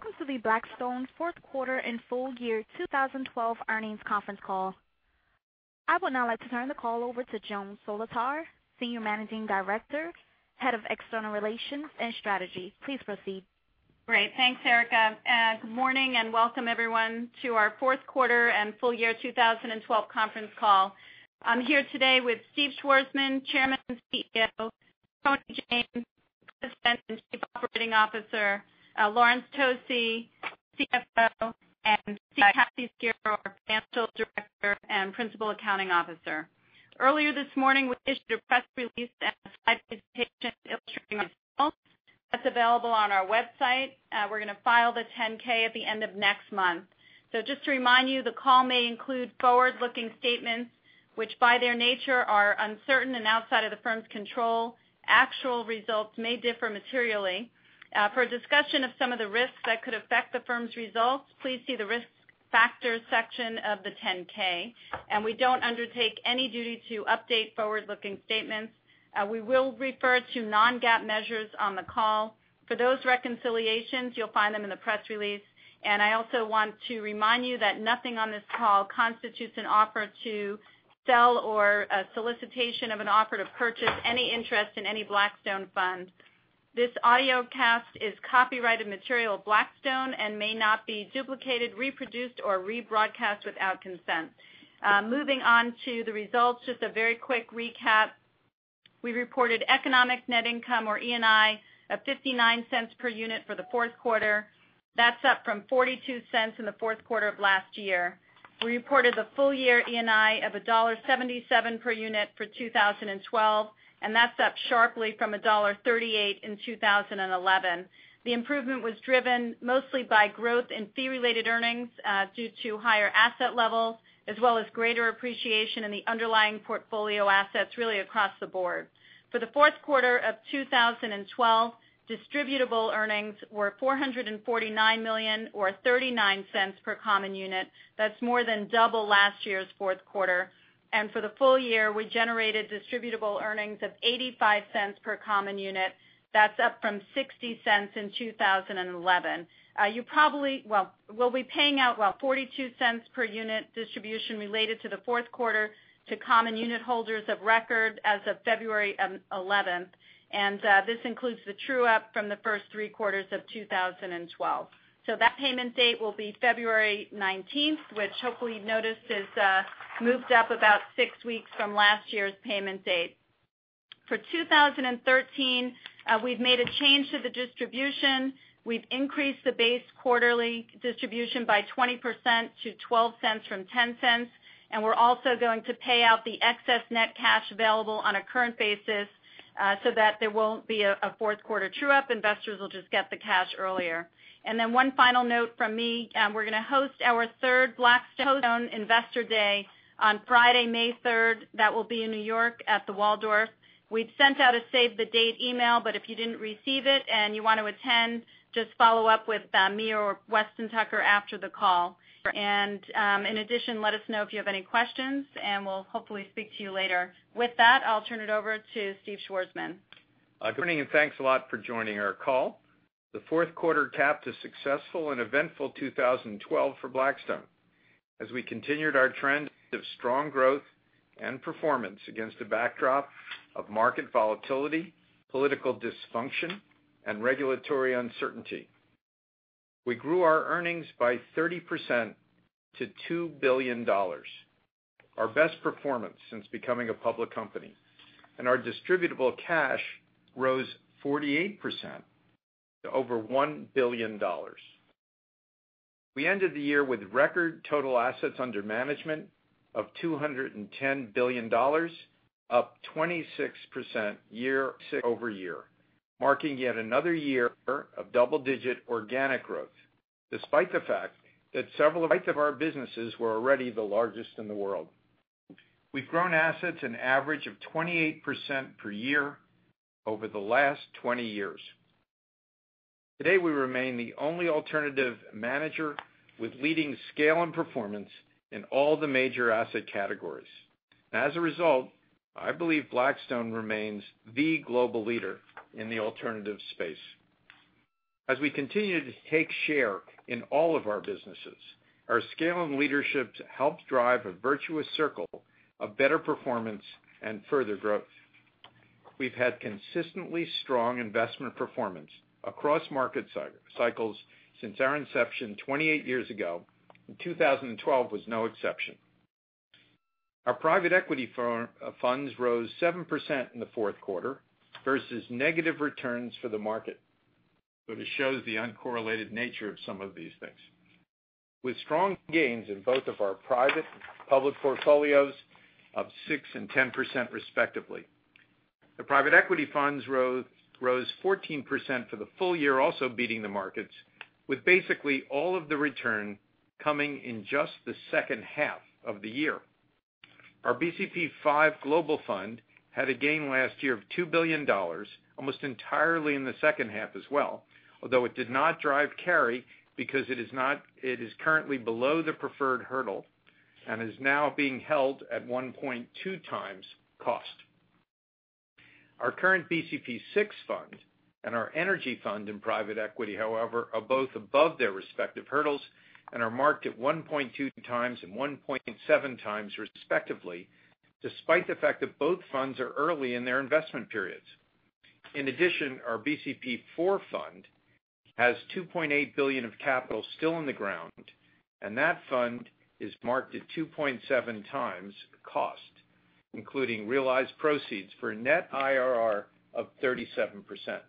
Welcome to the Blackstone fourth quarter and full year 2012 earnings conference call. I would now like to turn the call over to Joan Solotar, Senior Managing Director, Head of External Relations and Strategy. Please proceed. Great. Thanks, Erica. Good morning, and welcome everyone to our fourth quarter and full year 2012 conference call. I am here today with Stephen Schwarzman, Chairman and CEO, Tony James, President and Chief Operating Officer, Laurence Tosi, CFO, and Kathleen Skero, Financial Director and Principal Accounting Officer. Earlier this morning, we issued a press release and a slide presentation illustrating our results that is available on our website. We are going to file the 10-K at the end of next month. Just to remind you, the call may include forward-looking statements, which by their nature are uncertain and outside of the firm's control. Actual results may differ materially. For a discussion of some of the risks that could affect the firm's results, please see the Risk Factors section of the 10-K. We do not undertake any duty to update forward-looking statements. We will refer to non-GAAP measures on the call. For those reconciliations, you will find them in the press release. I also want to remind you that nothing on this call constitutes an offer to sell or a solicitation of an offer to purchase any interest in any Blackstone fund. This audiocast is copyrighted material of Blackstone and may not be duplicated, reproduced, or rebroadcast without consent. Moving on to the results, just a very quick recap. We reported economic net income or ENI of $0.59 per unit for the fourth quarter. That is up from $0.42 in the fourth quarter of last year. We reported the full year ENI of $1.77 per unit for 2012, and that is up sharply from $1.38 in 2011. The improvement was driven mostly by growth in fee related earnings due to higher asset levels as well as greater appreciation in the underlying portfolio assets really across the board. For the fourth quarter of 2012, distributable earnings were $449 million or $0.39 per common unit. That is more than double last year's fourth quarter. For the full year, we generated distributable earnings of $0.85 per common unit. That is up from $0.60 in 2011. We will be paying out, well, $0.42 per unit distribution related to the fourth quarter to common unit holders of record as of February 11th. This includes the true-up from the first three quarters of 2012. That payment date will be February 19th, which hopefully you have noticed is moved up about six weeks from last year's payment date. For 2013, we have made a change to the distribution. We've increased the base quarterly distribution by 20% to $0.12 from $0.10, and we're also going to pay out the excess net cash available on a current basis so that there won't be a fourth quarter true-up. Investors will just get the cash earlier. One final note from me, we're going to host our third Blackstone Investor Day on Friday, May 3rd. That will be in New York at the Waldorf. We'd sent out a save the date email, but if you didn't receive it and you want to attend, just follow up with me or Weston Tucker after the call. In addition, let us know if you have any questions, and we'll hopefully speak to you later. With that, I'll turn it over to Stephen Schwarzman. Good morning. Thanks a lot for joining our call. The fourth quarter capped a successful and eventful 2012 for Blackstone. As we continued our trend of strong growth and performance against a backdrop of market volatility, political dysfunction, and regulatory uncertainty. We grew our earnings by 30% to $2 billion. Our best performance since becoming a public company. Our distributable cash rose 48% to over $1 billion. We ended the year with record total assets under management of $210 billion, up 26% year-over-year, marking yet another year of double-digit organic growth despite the fact that several of our businesses were already the largest in the world. We've grown assets an average of 28% per year over the last 20 years. Today, we remain the only alternative manager with leading scale and performance in all the major asset categories. As a result, I believe Blackstone remains the global leader in the alternative space. As we continue to take share in all of our businesses, our scale and leadership help drive a virtuous circle of better performance and further growth. We've had consistently strong investment performance across market cycles since our inception 28 years ago. In 2012 was no exception. Our private equity funds rose 7% in the fourth quarter versus negative returns for the market. It shows the uncorrelated nature of some of these things. With strong gains in both of our private public portfolios of 6% and 10%, respectively. The private equity funds rose 14% for the full year, also beating the markets with basically all of the return coming in just the second half of the year. Our BCP V Global Fund had a gain last year of $2 billion, almost entirely in the second half as well. Although it did not drive carry because it is currently below the preferred hurdle and is now being held at 1.2 times cost. Our current BCP VI fund and our energy fund in private equity, however, are both above their respective hurdles and are marked at 1.2 times and 1.7 times respectively, despite the fact that both funds are early in their investment periods. In addition, our BCP IV fund has $2.8 billion of capital still in the ground, and that fund is marked at 2.7 times cost, including realized proceeds for a net IRR of 37%.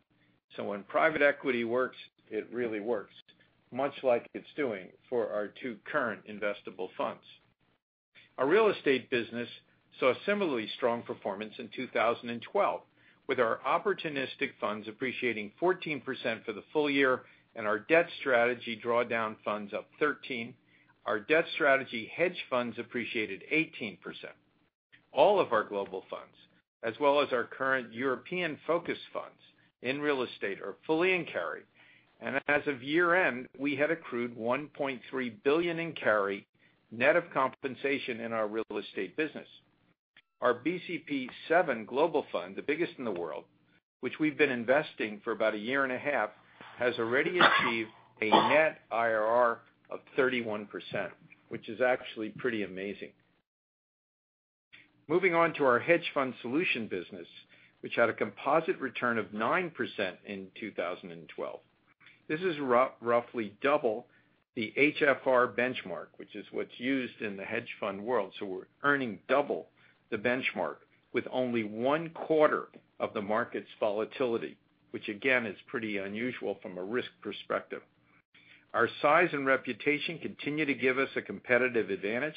When private equity works, it really works, much like it's doing for our two current investable funds. Our real estate business saw similarly strong performance in 2012, with our opportunistic funds appreciating 14% for the full year and our debt strategy drawdown funds up 13%. Our debt strategy hedge funds appreciated 18%. All of our global funds, as well as our current European focused funds in real estate, are fully in carry. As of year-end, we had accrued $1.3 billion in carry, net of compensation in our real estate business. Our BCP VII global fund, the biggest in the world, which we've been investing for about a year and a half, has already achieved a net IRR of 31%, which is actually pretty amazing. Moving on to our hedge fund solution business, which had a composite return of 9% in 2012. This is roughly double the HFR benchmark, which is what's used in the hedge fund world. We're earning double the benchmark with only one quarter of the market's volatility, which again, is pretty unusual from a risk perspective. Our size and reputation continue to give us a competitive advantage,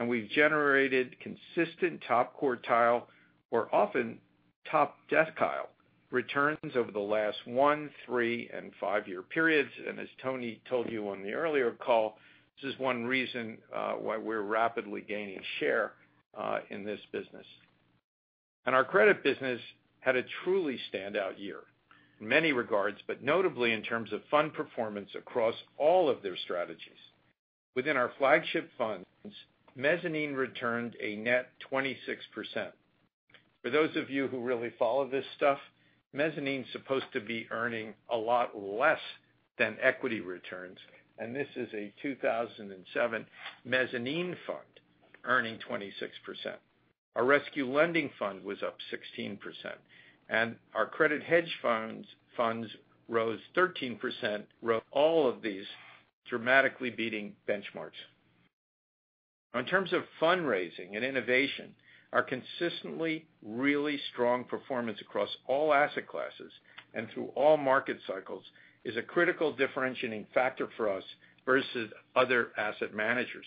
and we've generated consistent top quartile or often top decile returns over the last one, three, and five-year periods. As Tony told you on the earlier call, this is one reason why we're rapidly gaining share in this business. Our credit business had a truly standout year in many regards, but notably in terms of fund performance across all of their strategies. Within our flagship funds, mezzanine returned a net 26%. For those of you who really follow this stuff, mezzanine is supposed to be earning a lot less than equity returns, and this is a 2007 mezzanine fund earning 26%. Our rescue lending fund was up 16%, and our credit hedge funds rose 13%, all of these dramatically beating benchmarks. In terms of fundraising and innovation, our consistently really strong performance across all asset classes and through all market cycles is a critical differentiating factor for us versus other asset managers.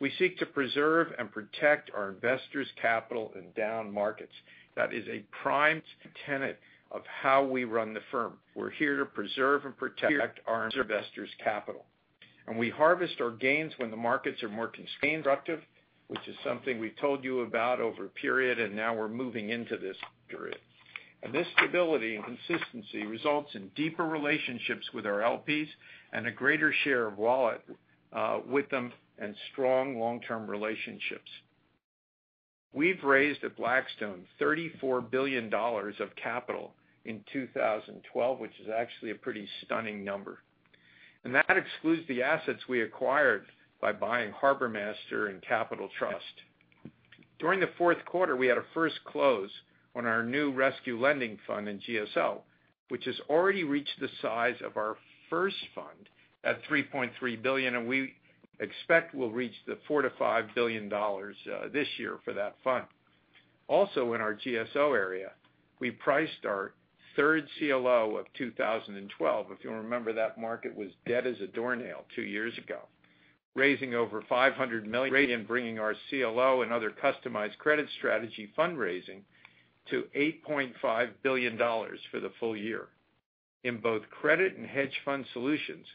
We seek to preserve and protect our investors' capital in down markets. That is a prime tenet of how we run the firm. We're here to preserve and protect our investors' capital. We harvest our gains when the markets are more constructive, which is something we've told you about over a period, and now we're moving into this period. This stability and consistency results in deeper relationships with our LPs and a greater share of wallet with them and strong long-term relationships. We've raised at Blackstone $34 billion of capital in 2012, which is actually a pretty stunning number. That excludes the assets we acquired by buying Harbourmaster and Capital Trust. During the fourth quarter, we had our first close on our new rescue lending fund in GSO, which has already reached the size of our first fund at $3.3 billion, and we expect we'll reach the $4 billion-$5 billion this year for that fund. Also in our GSO area, we priced our third CLO of 2012. If you remember, that market was dead as a doornail two years ago, raising over $500 million, bringing our CLO and other customized credit strategy fundraising to $8.5 billion for the full year. In both credit and hedge fund solutions,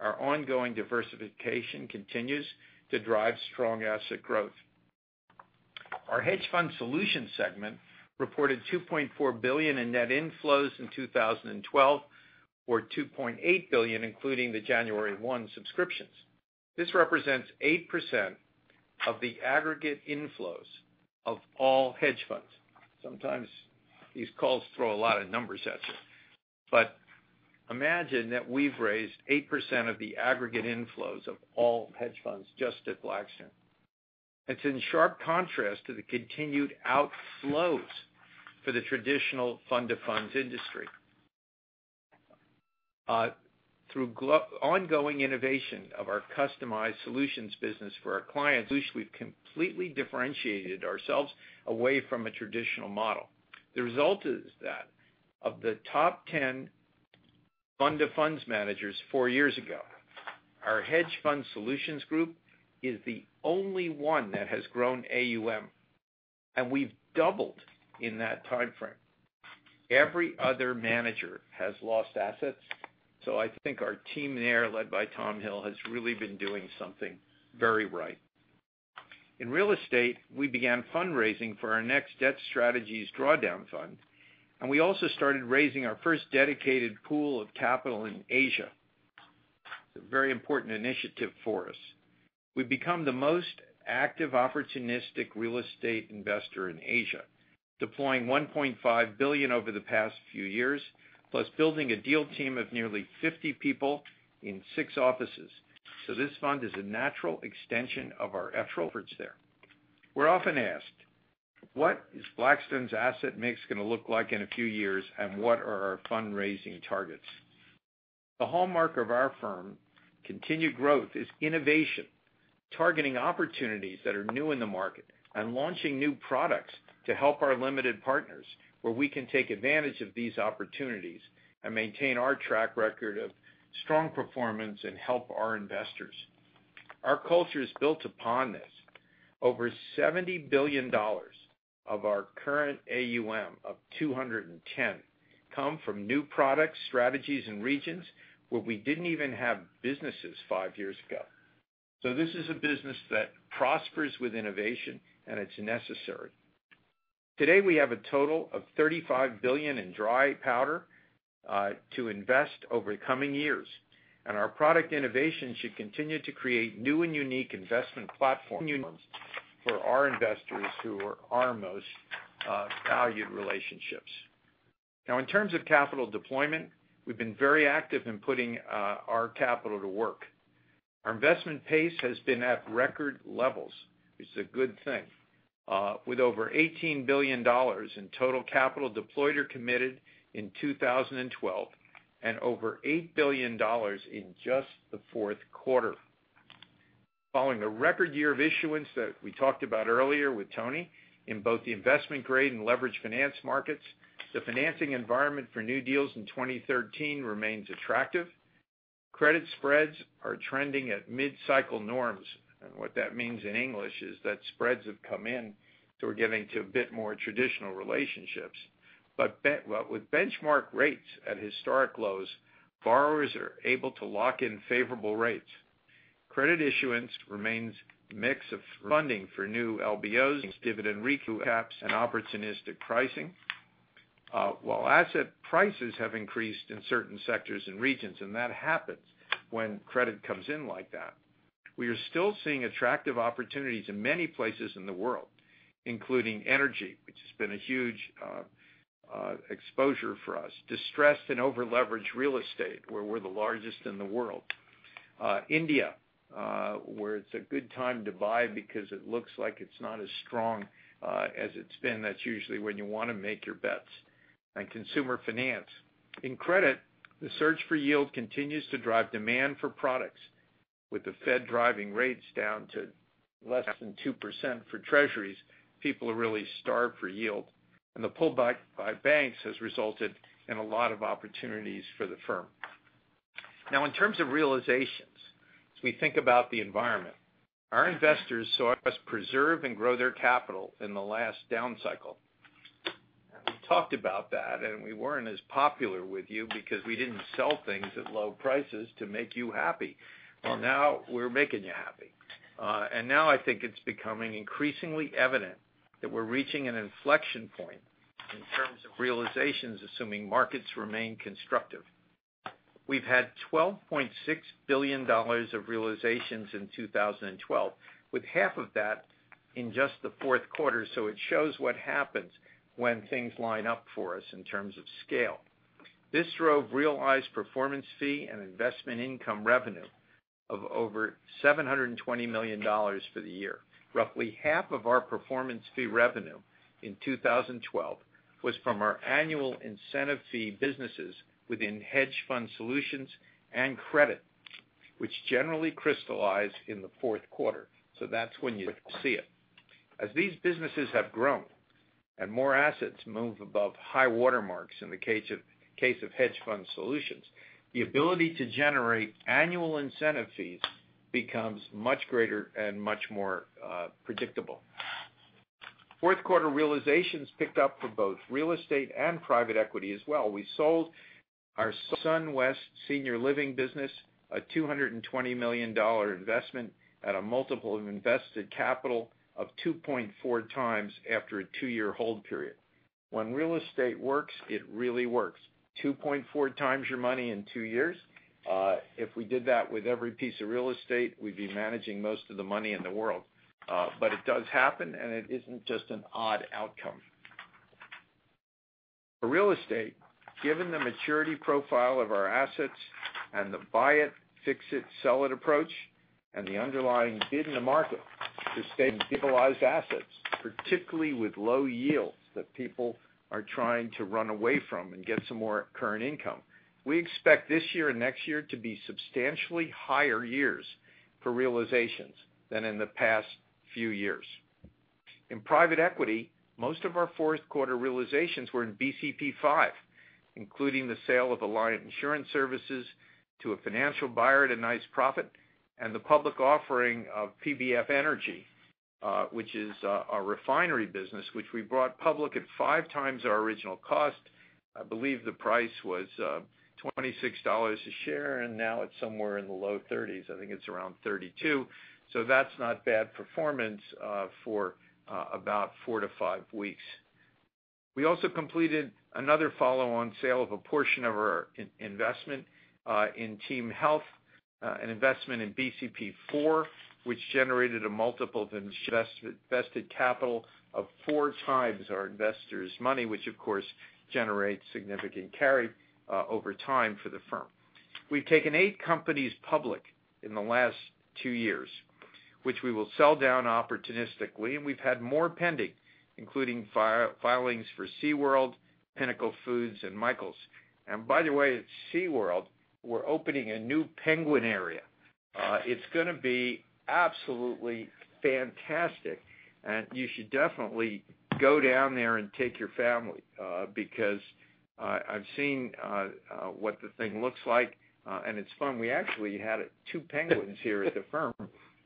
our ongoing diversification continues to drive strong asset growth. Our hedge fund solutions segment reported $2.4 billion in net inflows in 2012 or $2.8 billion including the January 1 subscriptions. This represents 8% of the aggregate inflows of all hedge funds. Sometimes these calls throw a lot of numbers at you. Imagine that we've raised 8% of the aggregate inflows of all hedge funds just at Blackstone. It's in sharp contrast to the continued outflows for the traditional fund to funds industry. Through ongoing innovation of our customized solutions business for our clients, we've completely differentiated ourselves away from a traditional model. The result is that of the top 10 fund to funds managers 4 years ago, our hedge fund solutions group is the only one that has grown AUM, and we've doubled in that timeframe. Every other manager has lost assets. I think our team there, led by Tom Hill, has really been doing something very right. In real estate, we began fundraising for our next debt strategies drawdown fund, and we also started raising our first dedicated pool of capital in Asia. Very important initiative for us. We've become the most active opportunistic real estate investor in Asia, deploying $1.5 billion over the past few years, plus building a deal team of nearly 50 people in 6 offices. This fund is a natural extension of our efforts there. We're often asked, what is Blackstone's asset mix going to look like in a few years, and what are our fundraising targets? The hallmark of our firm continued growth is innovation, targeting opportunities that are new in the market, and launching new products to help our limited partners, where we can take advantage of these opportunities and maintain our track record of strong performance and help our investors. Our culture is built upon this. Over $70 billion of our current AUM of $210 billion come from new products, strategies, and regions where we didn't even have businesses 5 years ago. This is a business that prospers with innovation, and it's necessary. Today, we have a total of $35 billion in dry powder to invest over the coming years, and our product innovation should continue to create new and unique investment platforms for our investors who are our most valued relationships. In terms of capital deployment, we've been very active in putting our capital to work. Our investment pace has been at record levels. It's a good thing. With over $18 billion in total capital deployed or committed in 2012, and over $8 billion in just the fourth quarter. Following a record year of issuance that we talked about earlier with Tony in both the investment grade and leverage finance markets, the financing environment for new deals in 2013 remains attractive. Credit spreads are trending at mid-cycle norms. What that means in English is that spreads have come in. We're getting to a bit more traditional relationships. With benchmark rates at historic lows, borrowers are able to lock in favorable rates. Credit issuance remains mix of funding for new LBOs, dividend recap and opportunistic pricing. While asset prices have increased in certain sectors and regions, that happens when credit comes in like that, we are still seeing attractive opportunities in many places in the world, including energy, which has been a huge exposure for us. Distressed and over-leveraged real estate, where we're the largest in the world. India, where it's a good time to buy because it looks like it's not as strong as it's been. That's usually when you want to make your bets. Consumer finance. In credit, the search for yield continues to drive demand for products. With the Federal Reserve driving rates down to less than 2% for treasuries, people are really starved for yield, the pull back by banks has resulted in a lot of opportunities for the firm. Now, in terms of realizations, as we think about the environment, our investors saw us preserve and grow their capital in the last down cycle. We talked about that, we weren't as popular with you because we didn't sell things at low prices to make you happy. Well, now we're making you happy. Now I think it's becoming increasingly evident that we're reaching an inflection point in terms of realizations, assuming markets remain constructive. We've had $12.6 billion of realizations in 2012, with half of that in just the fourth quarter, it shows what happens when things line up for us in terms of scale. This drove realized performance fee and investment income revenue of over $720 million for the year. Roughly half of our performance fee revenue in 2012 was from our annual incentive fee businesses within hedge fund solutions and credit, which generally crystallize in the fourth quarter. That's when you see it. As these businesses have grown and more assets move above high water marks in the case of hedge fund solutions, the ability to generate annual incentive fees becomes much greater and much more predictable. Fourth quarter realizations picked up for both real estate and private equity as well. We sold our Sunwest Senior Living business, a $220 million investment at a multiple of invested capital of 2.4 times after a two-year hold period. When real estate works, it really works. 2.4 times your money in two years. If we did that with every piece of real estate, we'd be managing most of the money in the world. It does happen, it isn't just an odd outcome. For real estate, given the maturity profile of our assets and the buy it, fix it, sell it approach, the underlying bid in the market to stabilized assets, particularly with low yields that people are trying to run away from and get some more current income. We expect this year and next year to be substantially higher years for realizations than in the past few years. In private equity, most of our fourth quarter realizations were in BCP V, including the sale of Alliant Insurance Services to a financial buyer at a nice profit, the public offering of PBF Energy, which is our refinery business, which we brought public at five times our original cost. I believe the price was $26 a share, now it's somewhere in the low 30s. I think it's around 32. That's not bad performance for about four to five weeks. We also completed another follow-on sale of a portion of our investment in Team Health, an investment in BCP4, which generated a multiple of invested capital of four times our investors' money, which of course generates significant carry over time for the firm. We've taken eight companies public in the last two years, which we will sell down opportunistically, and we've had more pending, including filings for SeaWorld, Pinnacle Foods, and Michaels. By the way, at SeaWorld, we're opening a new penguin area. It's going to be absolutely fantastic, and you should definitely go down there and take your family, because I've seen what the thing looks like, and it's fun. We actually had two penguins here at the firm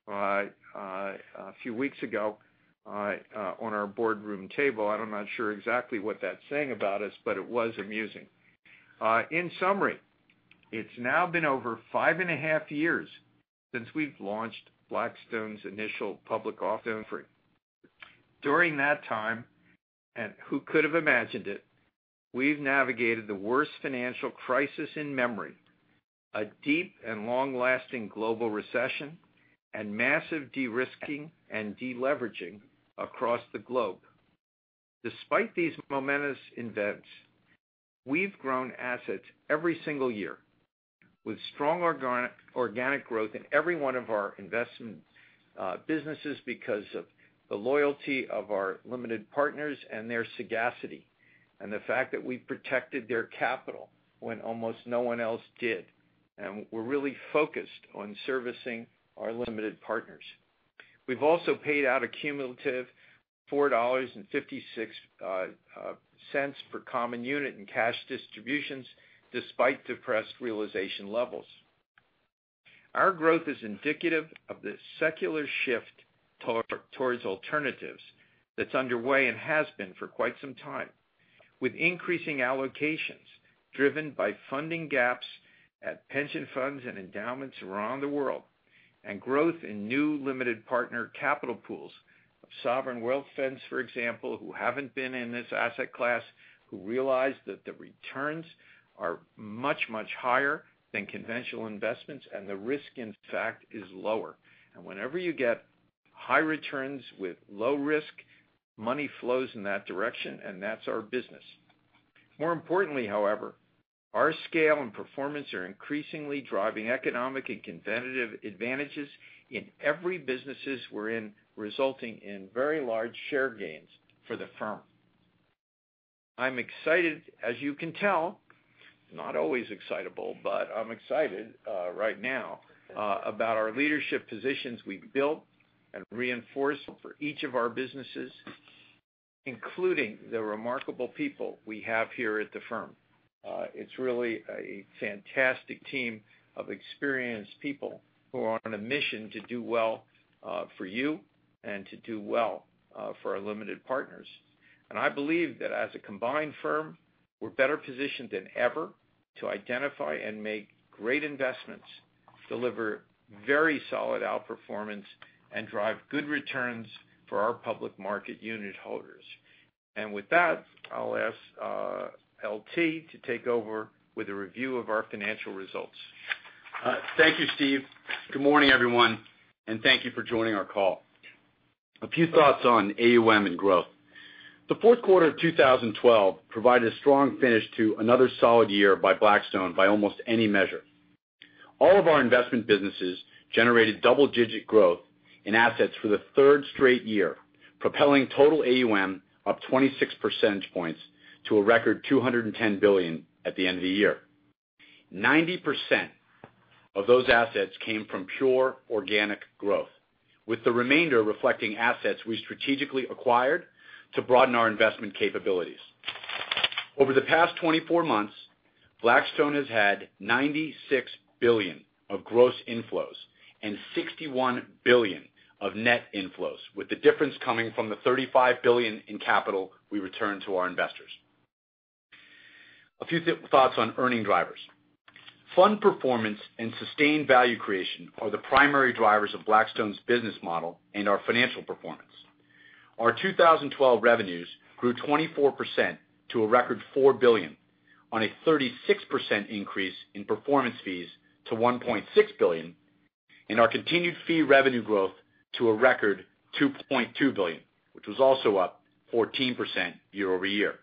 a few weeks ago on our boardroom table. I'm not sure exactly what that's saying about us, but it was amusing. In summary, it's now been over five and a half years since we've launched Blackstone's initial public offering. During that time, who could have imagined it, we've navigated the worst financial crisis in memory, a deep and long-lasting global recession, and massive de-risking and de-leveraging across the globe. Despite these momentous events, we've grown assets every single year, with strong organic growth in every one of our investment businesses because of the loyalty of our limited partners and their sagacity, the fact that we protected their capital when almost no one else did. We're really focused on servicing our limited partners. We've also paid out a cumulative $4.56 per common unit in cash distributions, despite depressed realization levels. Our growth is indicative of the secular shift towards alternatives that's underway and has been for quite some time, with increasing allocations driven by funding gaps at pension funds and endowments around the world, growth in new limited partner capital pools of sovereign wealth funds, for example, who haven't been in this asset class, who realize that the returns are much, much higher than conventional investments, and the risk, in fact, is lower. Whenever you get high returns with low risk, money flows in that direction, and that's our business. More importantly, however, our scale and performance are increasingly driving economic and competitive advantages in every businesses we're in, resulting in very large share gains for the firm. I'm excited, as you can tell, not always excitable, but I'm excited right now about our leadership positions we've built and reinforced for each of our businesses, including the remarkable people we have here at the firm. It's really a fantastic team of experienced people who are on a mission to do well for you and to do well for our limited partners. I believe that as a combined firm, we're better positioned than ever to identify and make great investments, deliver very solid outperformance, and drive good returns for our public market unit holders. With that, I'll ask LT to take over with a review of our financial results. Thank you, Steve. Good morning, everyone, and thank you for joining our call. A few thoughts on AUM and growth. The fourth quarter of 2012 provided a strong finish to another solid year by Blackstone by almost any measure. All of our investment businesses generated double-digit growth in assets for the third straight year, propelling total AUM up 26 percentage points to a record $210 billion at the end of the year. 90% of those assets came from pure organic growth, with the remainder reflecting assets we strategically acquired to broaden our investment capabilities. Over the past 24 months, Blackstone has had $96 billion of gross inflows and $61 billion of net inflows, with the difference coming from the $35 billion in capital we returned to our investors. A few thoughts on earning drivers. Fund performance and sustained value creation are the primary drivers of Blackstone's business model and our financial performance. Our 2012 revenues grew 24% to a record $4 billion on a 36% increase in performance fees to $1.6 billion and our continued fee revenue growth to a record $2.2 billion, which was also up 14% year-over-year.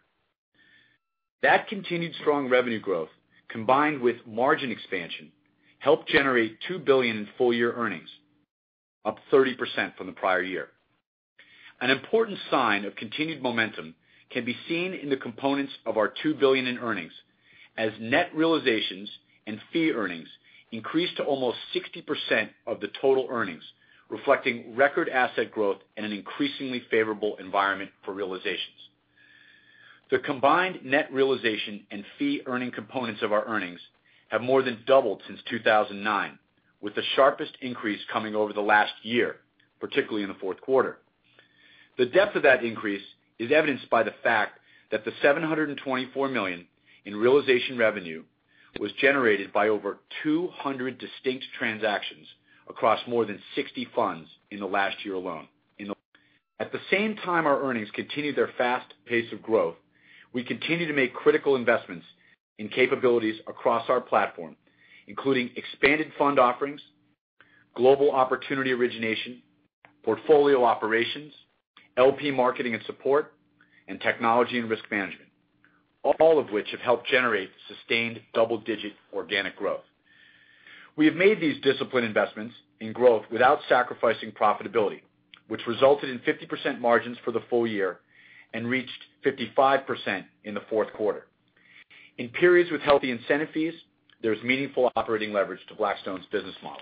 That continued strong revenue growth, combined with margin expansion, helped generate $2 billion in full-year earnings, up 30% from the prior year. An important sign of continued momentum can be seen in the components of our $2 billion in earnings, as net realizations and fee earnings increased to almost 60% of the total earnings, reflecting record asset growth in an increasingly favorable environment for realizations. The combined net realization and fee earning components of our earnings have more than doubled since 2009, with the sharpest increase coming over the last year, particularly in the fourth quarter. The depth of that increase is evidenced by the fact that the $724 million in realization revenue was generated by over 200 distinct transactions. Across more than 60 funds in the last year alone. At the same time our earnings continue their fast pace of growth, we continue to make critical investments in capabilities across our platform, including expanded fund offerings, global opportunity origination, portfolio operations, LP marketing and support, and technology and risk management. All of which have helped generate sustained double-digit organic growth. We have made these disciplined investments in growth without sacrificing profitability, which resulted in 50% margins for the full year and reached 55% in the fourth quarter. In periods with healthy incentive fees, there's meaningful operating leverage to Blackstone's business model.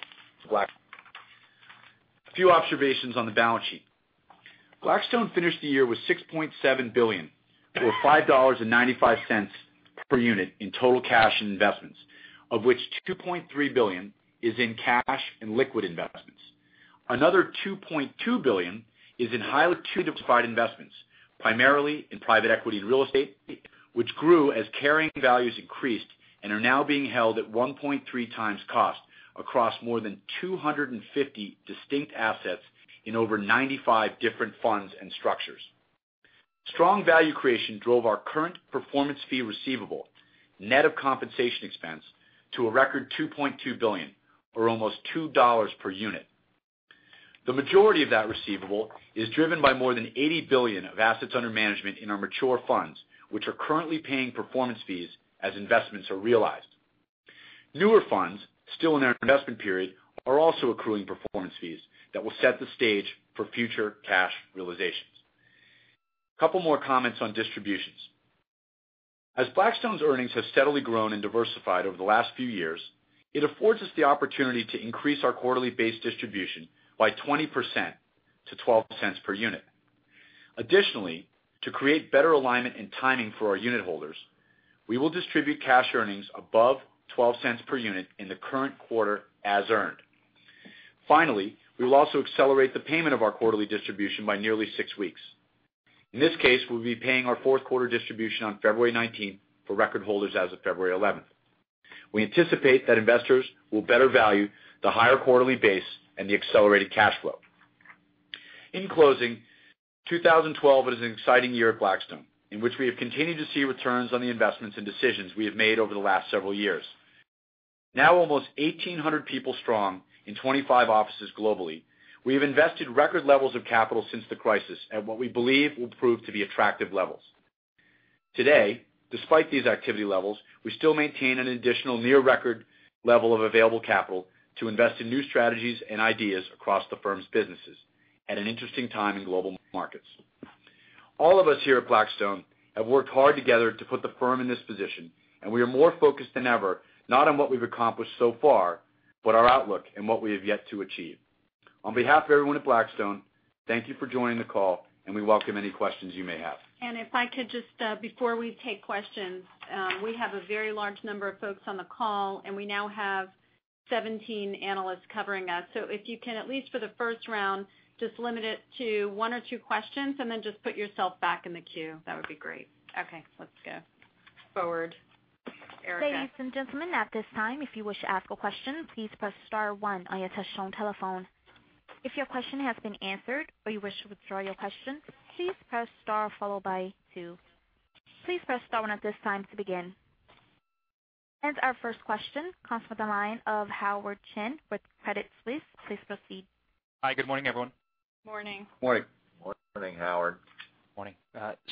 A few observations on the balance sheet. Blackstone finished the year with $6.7 billion or $5.95 per unit in total cash and investments, of which $2.3 billion is in cash and liquid investments. Another $2.2 billion is in highly diversified investments, primarily in private equity and real estate, which grew as carrying values increased and are now being held at 1.3 times cost across more than 250 distinct assets in over 95 different funds and structures. Strong value creation drove our current performance fee receivable, net of compensation expense, to a record $2.2 billion or almost $2 per unit. The majority of that receivable is driven by more than $80 billion of assets under management in our mature funds, which are currently paying performance fees as investments are realized. Newer funds still in their investment period are also accruing performance fees that will set the stage for future cash realizations. Couple more comments on distributions. As Blackstone's earnings have steadily grown and diversified over the last few years, it affords us the opportunity to increase our quarterly base distribution by 20% to $0.12 per unit. Additionally, to create better alignment and timing for our unit holders, we will distribute cash earnings above $0.12 per unit in the current quarter as earned. Finally, we will also accelerate the payment of our quarterly distribution by nearly six weeks. In this case, we'll be paying our fourth quarter distribution on February 19th for record holders as of February 11th. We anticipate that investors will better value the higher quarterly base and the accelerated cash flow. In closing, 2012 was an exciting year at Blackstone in which we have continued to see returns on the investments and decisions we have made over the last several years. Now almost 1,800 people strong in 25 offices globally, we have invested record levels of capital since the crisis at what we believe will prove to be attractive levels. Today, despite these activity levels, we still maintain an additional near record level of available capital to invest in new strategies and ideas across the firm's businesses at an interesting time in global markets. All of us here at Blackstone have worked hard together to put the firm in this position, and we are more focused than ever, not on what we've accomplished so far, but our outlook and what we have yet to achieve. On behalf of everyone at Blackstone, thank you for joining the call, and we welcome any questions you may have. If I could just, before we take questions, we have a very large number of folks on the call, and we now have 17 analysts covering us. If you can, at least for the first round, just limit it to one or two questions and then just put yourself back in the queue. That would be great. Okay, let's go forward. Erica. Ladies and gentlemen, at this time, if you wish to ask a question, please press *1 on your touchtone telephone. If your question has been answered or you wish to withdraw your question, please press star followed by 2. Please press *1 at this time to begin. Our first question comes from the line of Howard Chen with Credit Suisse. Please proceed. Hi. Good morning, everyone. Morning. Morning. Morning, Howard. Morning.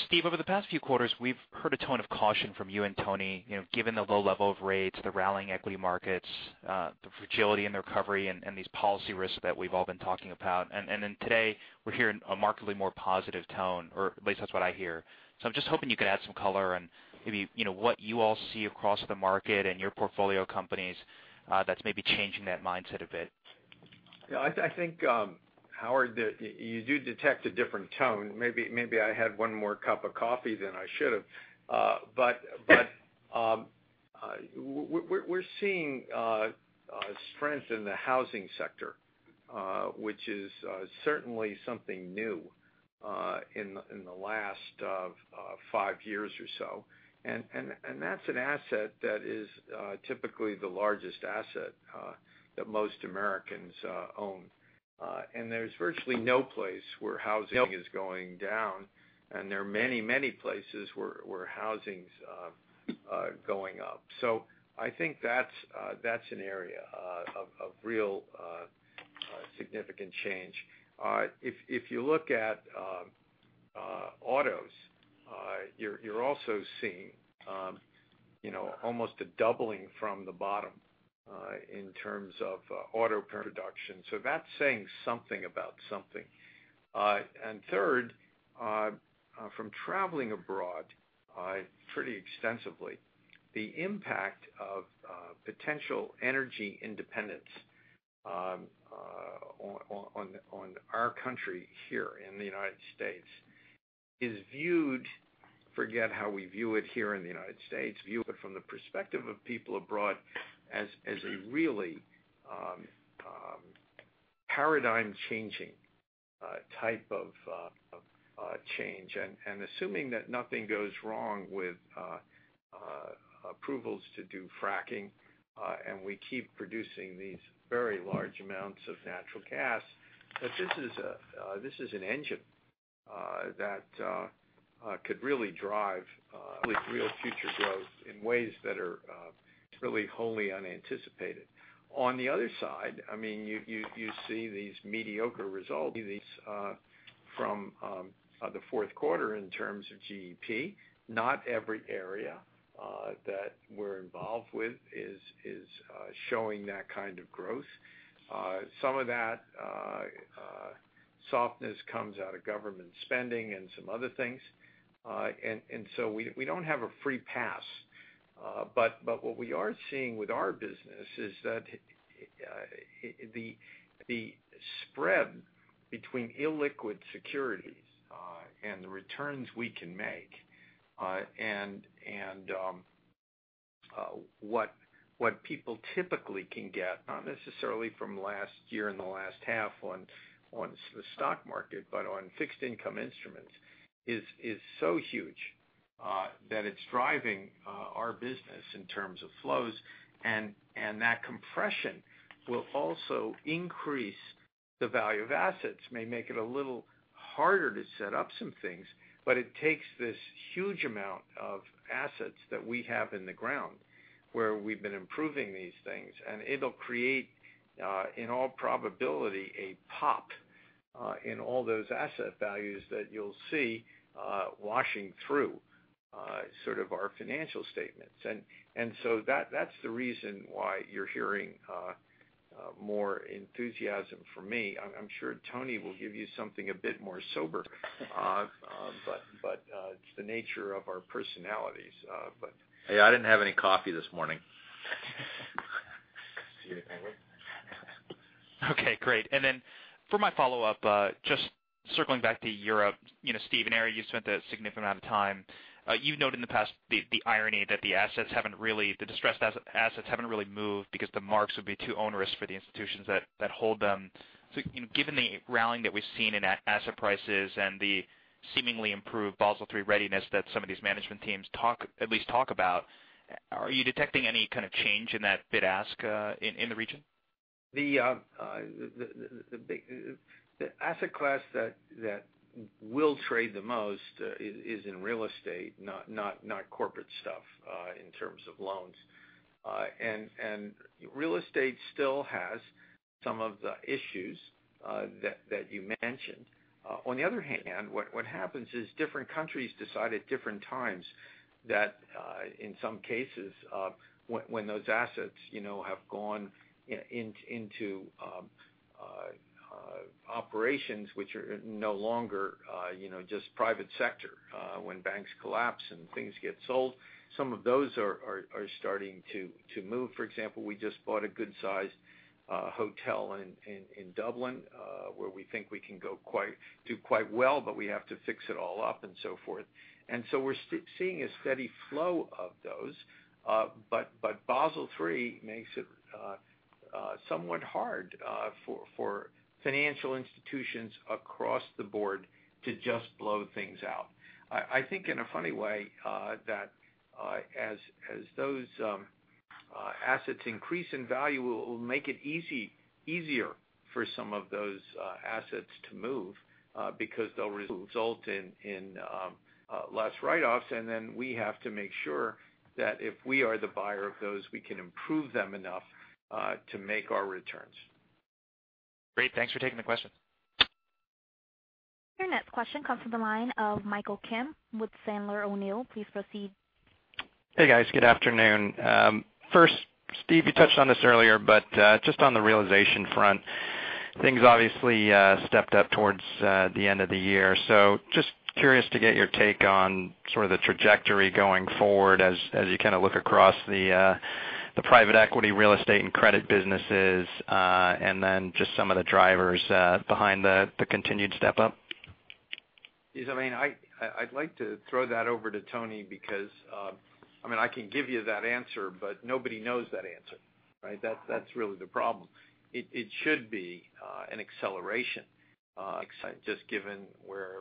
Steve, over the past few quarters, we've heard a tone of caution from you and Tony, you know, given the low level of rates, the rallying equity markets, the fragility and the recovery and these policy risks that we've all been talking about. Today we're hearing a markedly more positive tone, or at least that's what I hear. I'm just hoping you could add some color and maybe, you know, what you all see across the market and your portfolio companies, that's maybe changing that mindset a bit. Yeah, I think, Howard, that you do detect a different tone. Maybe, maybe I had one more cup of coffee than I should've. But we're seeing strength in the housing sector, which is certainly something new in the last five years or so. That's an asset that is typically the largest asset that most Americans own. There's virtually no place where housing is going down, and there are many, many places where housing's going up. I think that's an area of real significant change. If you look at autos, you're also seeing, you know, almost a doubling from the bottom in terms of auto production. That's saying something about something. Third, from traveling abroad pretty extensively, the impact of potential energy independence on our country here in the U.S. is viewed Forget how we view it here in the U.S. View it from the perspective of people abroad as a really Paradigm changing type of change. Assuming that nothing goes wrong with approvals to do fracking, and we keep producing these very large amounts of natural gas, that this is an engine that could really drive with real future growth in ways that are really wholly unanticipated. On the other side, you see these mediocre results from the fourth quarter in terms of GDP. Not every area that we're involved with is showing that kind of growth. Some of that softness comes out of government spending and some other things. We don't have a free pass. What we are seeing with our business is that the spread between illiquid securities and the returns we can make, and what people typically can get, not necessarily from last year in the last half on the stock market, but on fixed-income instruments, is so huge that it's driving our business in terms of flows. That compression will also increase the value of assets. May make it a little harder to set up some things, but it takes this huge amount of assets that we have in the ground where we've been improving these things. It'll create, in all probability, a pop in all those asset values that you'll see washing through our financial statements. That's the reason why you're hearing more enthusiasm from me. I'm sure Tony will give you something a bit more sober. It's the nature of our personalities. Yeah, I didn't have any coffee this morning. See you anyway. Okay, great. For my follow-up, just circling back to Europe. Steve I know, you spent a significant amount of time. You've noted in the past the irony that the distressed assets haven't really moved because the marks would be too onerous for the institutions that hold them. Given the rallying that we've seen in asset prices and the seemingly improved Basel III readiness that some of these management teams at least talk about, are you detecting any kind of change in that bid-ask in the region? The asset class that will trade the most is in real estate, not corporate stuff in terms of loans. Real estate still has some of the issues that you mentioned. On the other hand, what happens is different countries decide at different times that in some cases when those assets have gone into operations which are no longer just private sector when banks collapse and things get sold. Some of those are starting to move. For example, we just bought a good-sized hotel in Dublin where we think we can do quite well, but we have to fix it all up and so forth. We're seeing a steady flow of those. Basel III makes it somewhat hard for financial institutions across the board to just blow things out. I think in a funny way that as those assets increase in value, it will make it easier for some of those assets to move because they'll result in less write-offs. We have to make sure that if we are the buyer of those, we can improve them enough to make our returns. Great. Thanks for taking the question. Your next question comes from the line of Michael Kim with Sandler O'Neill. Please proceed. Hey, guys. Good afternoon. First, Steve, you touched on this earlier, but just on the realization front, things obviously stepped up towards the end of the year. Just curious to get your take on sort of the trajectory going forward as you kind of look across the private equity real estate and credit businesses, just some of the drivers behind the continued step-up. I'd like to throw that over to Tony because I can give you that answer, but nobody knows that answer, right? That's really the problem. It should be an acceleration just given where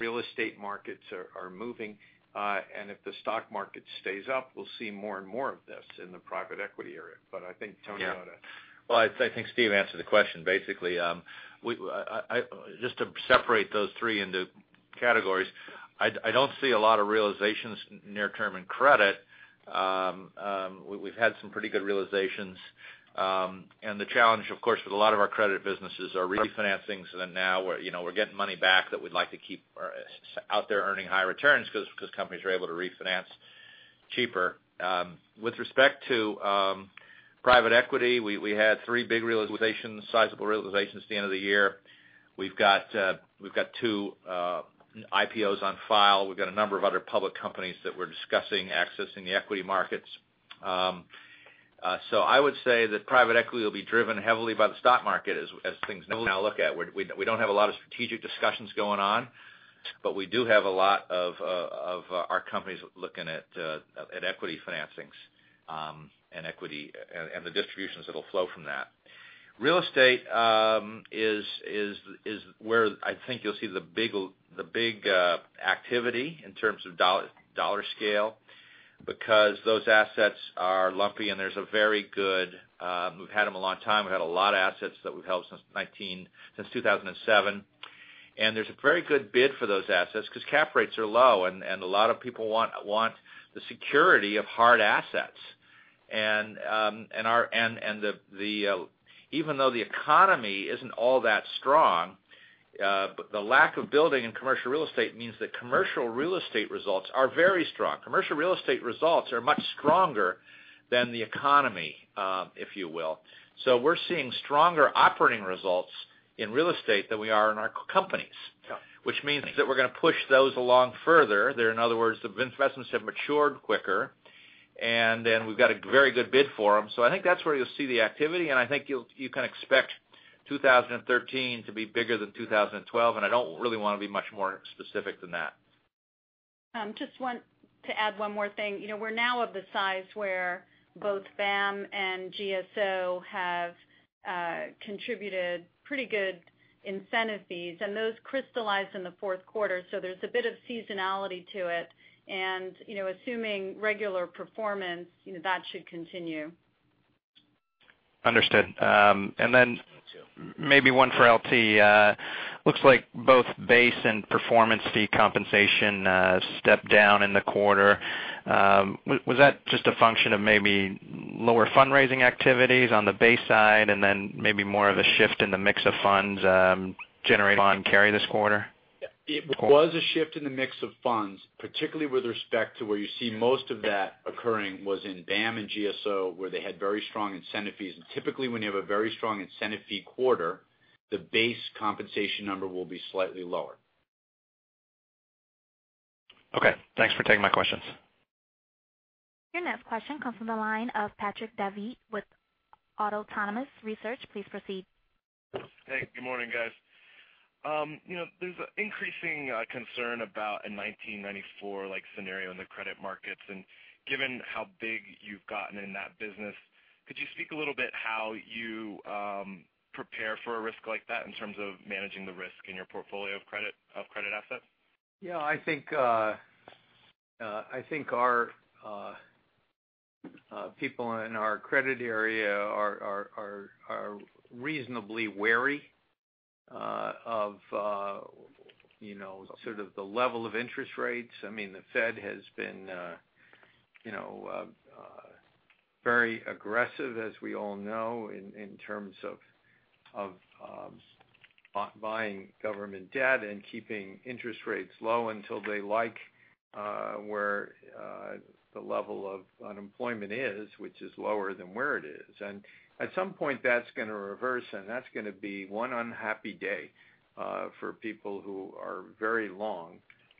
real estate markets are moving. If the stock market stays up, we'll see more and more of this in the private equity area. Well, I think Steve answered the question. Basically, just to separate those 3 into categories, I don't see a lot of realizations near term in credit. We've had some pretty good realizations. The challenge, of course, with a lot of our credit businesses are refinancings. Now we're getting money back that we'd like to keep out there earning high returns because companies are able to refinance cheaper. With respect to private equity, we had 3 big realizable sizable realizations at the end of the year. We've got 2 IPOs on file. We've got a number of other public companies that we're discussing accessing the equity markets. I would say that private equity will be driven heavily by the stock market as things now look at. We don't have a lot of strategic discussions going on. We do have a lot of our companies looking at equity financings, and equity, and the distributions that'll flow from that. Real estate is where I think you'll see the big activity in terms of dollar scale, because those assets are lumpy. We've had them a long time. We've had a lot of assets that we've held since 2007. There's a very good bid for those assets because cap rates are low, and a lot of people want the security of hard assets. Even though the economy isn't all that strong, the lack of building in commercial real estate means that commercial real estate results are very strong. Commercial real estate results are much stronger than the economy, if you will. We're seeing stronger operating results in real estate than we are in our companies. Yeah. Which means that we're going to push those along further. In other words, the investments have matured quicker, then we've got a very good bid for them. I think that's where you'll see the activity, and I think you can expect 2013 to be bigger than 2012, and I don't really want to be much more specific than that. Just want to add one more thing. We're now of the size where both BAAM and GSO have contributed pretty good incentive fees, and those crystallized in the fourth quarter. There's a bit of seasonality to it and assuming regular performance, that should continue. Understood. Then maybe one for LT. Looks like both base and performance fee compensation stepped down in the quarter. Was that just a function of maybe lower fundraising activities on the base side then maybe more of a shift in the mix of funds generating on carry this quarter? It was a shift in the mix of funds, particularly with respect to where you see most of that occurring was in BAAM and GSO where they had very strong incentive fees. Typically, when you have a very strong incentive fee quarter, the base compensation number will be slightly lower. Okay. Thanks for taking my questions. Your next question comes from the line of Patrick Davitt with Autonomous Research. Please proceed. Hey, good morning, guys. There's increasing concern about a 1994-like scenario in the credit markets. Given how big you've gotten in that business, could you speak a little bit how you prepare for a risk like that in terms of managing the risk in your portfolio of credit assets? Yeah, I think our people in our credit area are reasonably wary of sort of the level of interest rates. The Fed has been very aggressive, as we all know, in terms of buying government debt and keeping interest rates low until they like where the level of unemployment is, which is lower than where it is. At some point, that's going to reverse, that's going to be one unhappy day for people who are very long.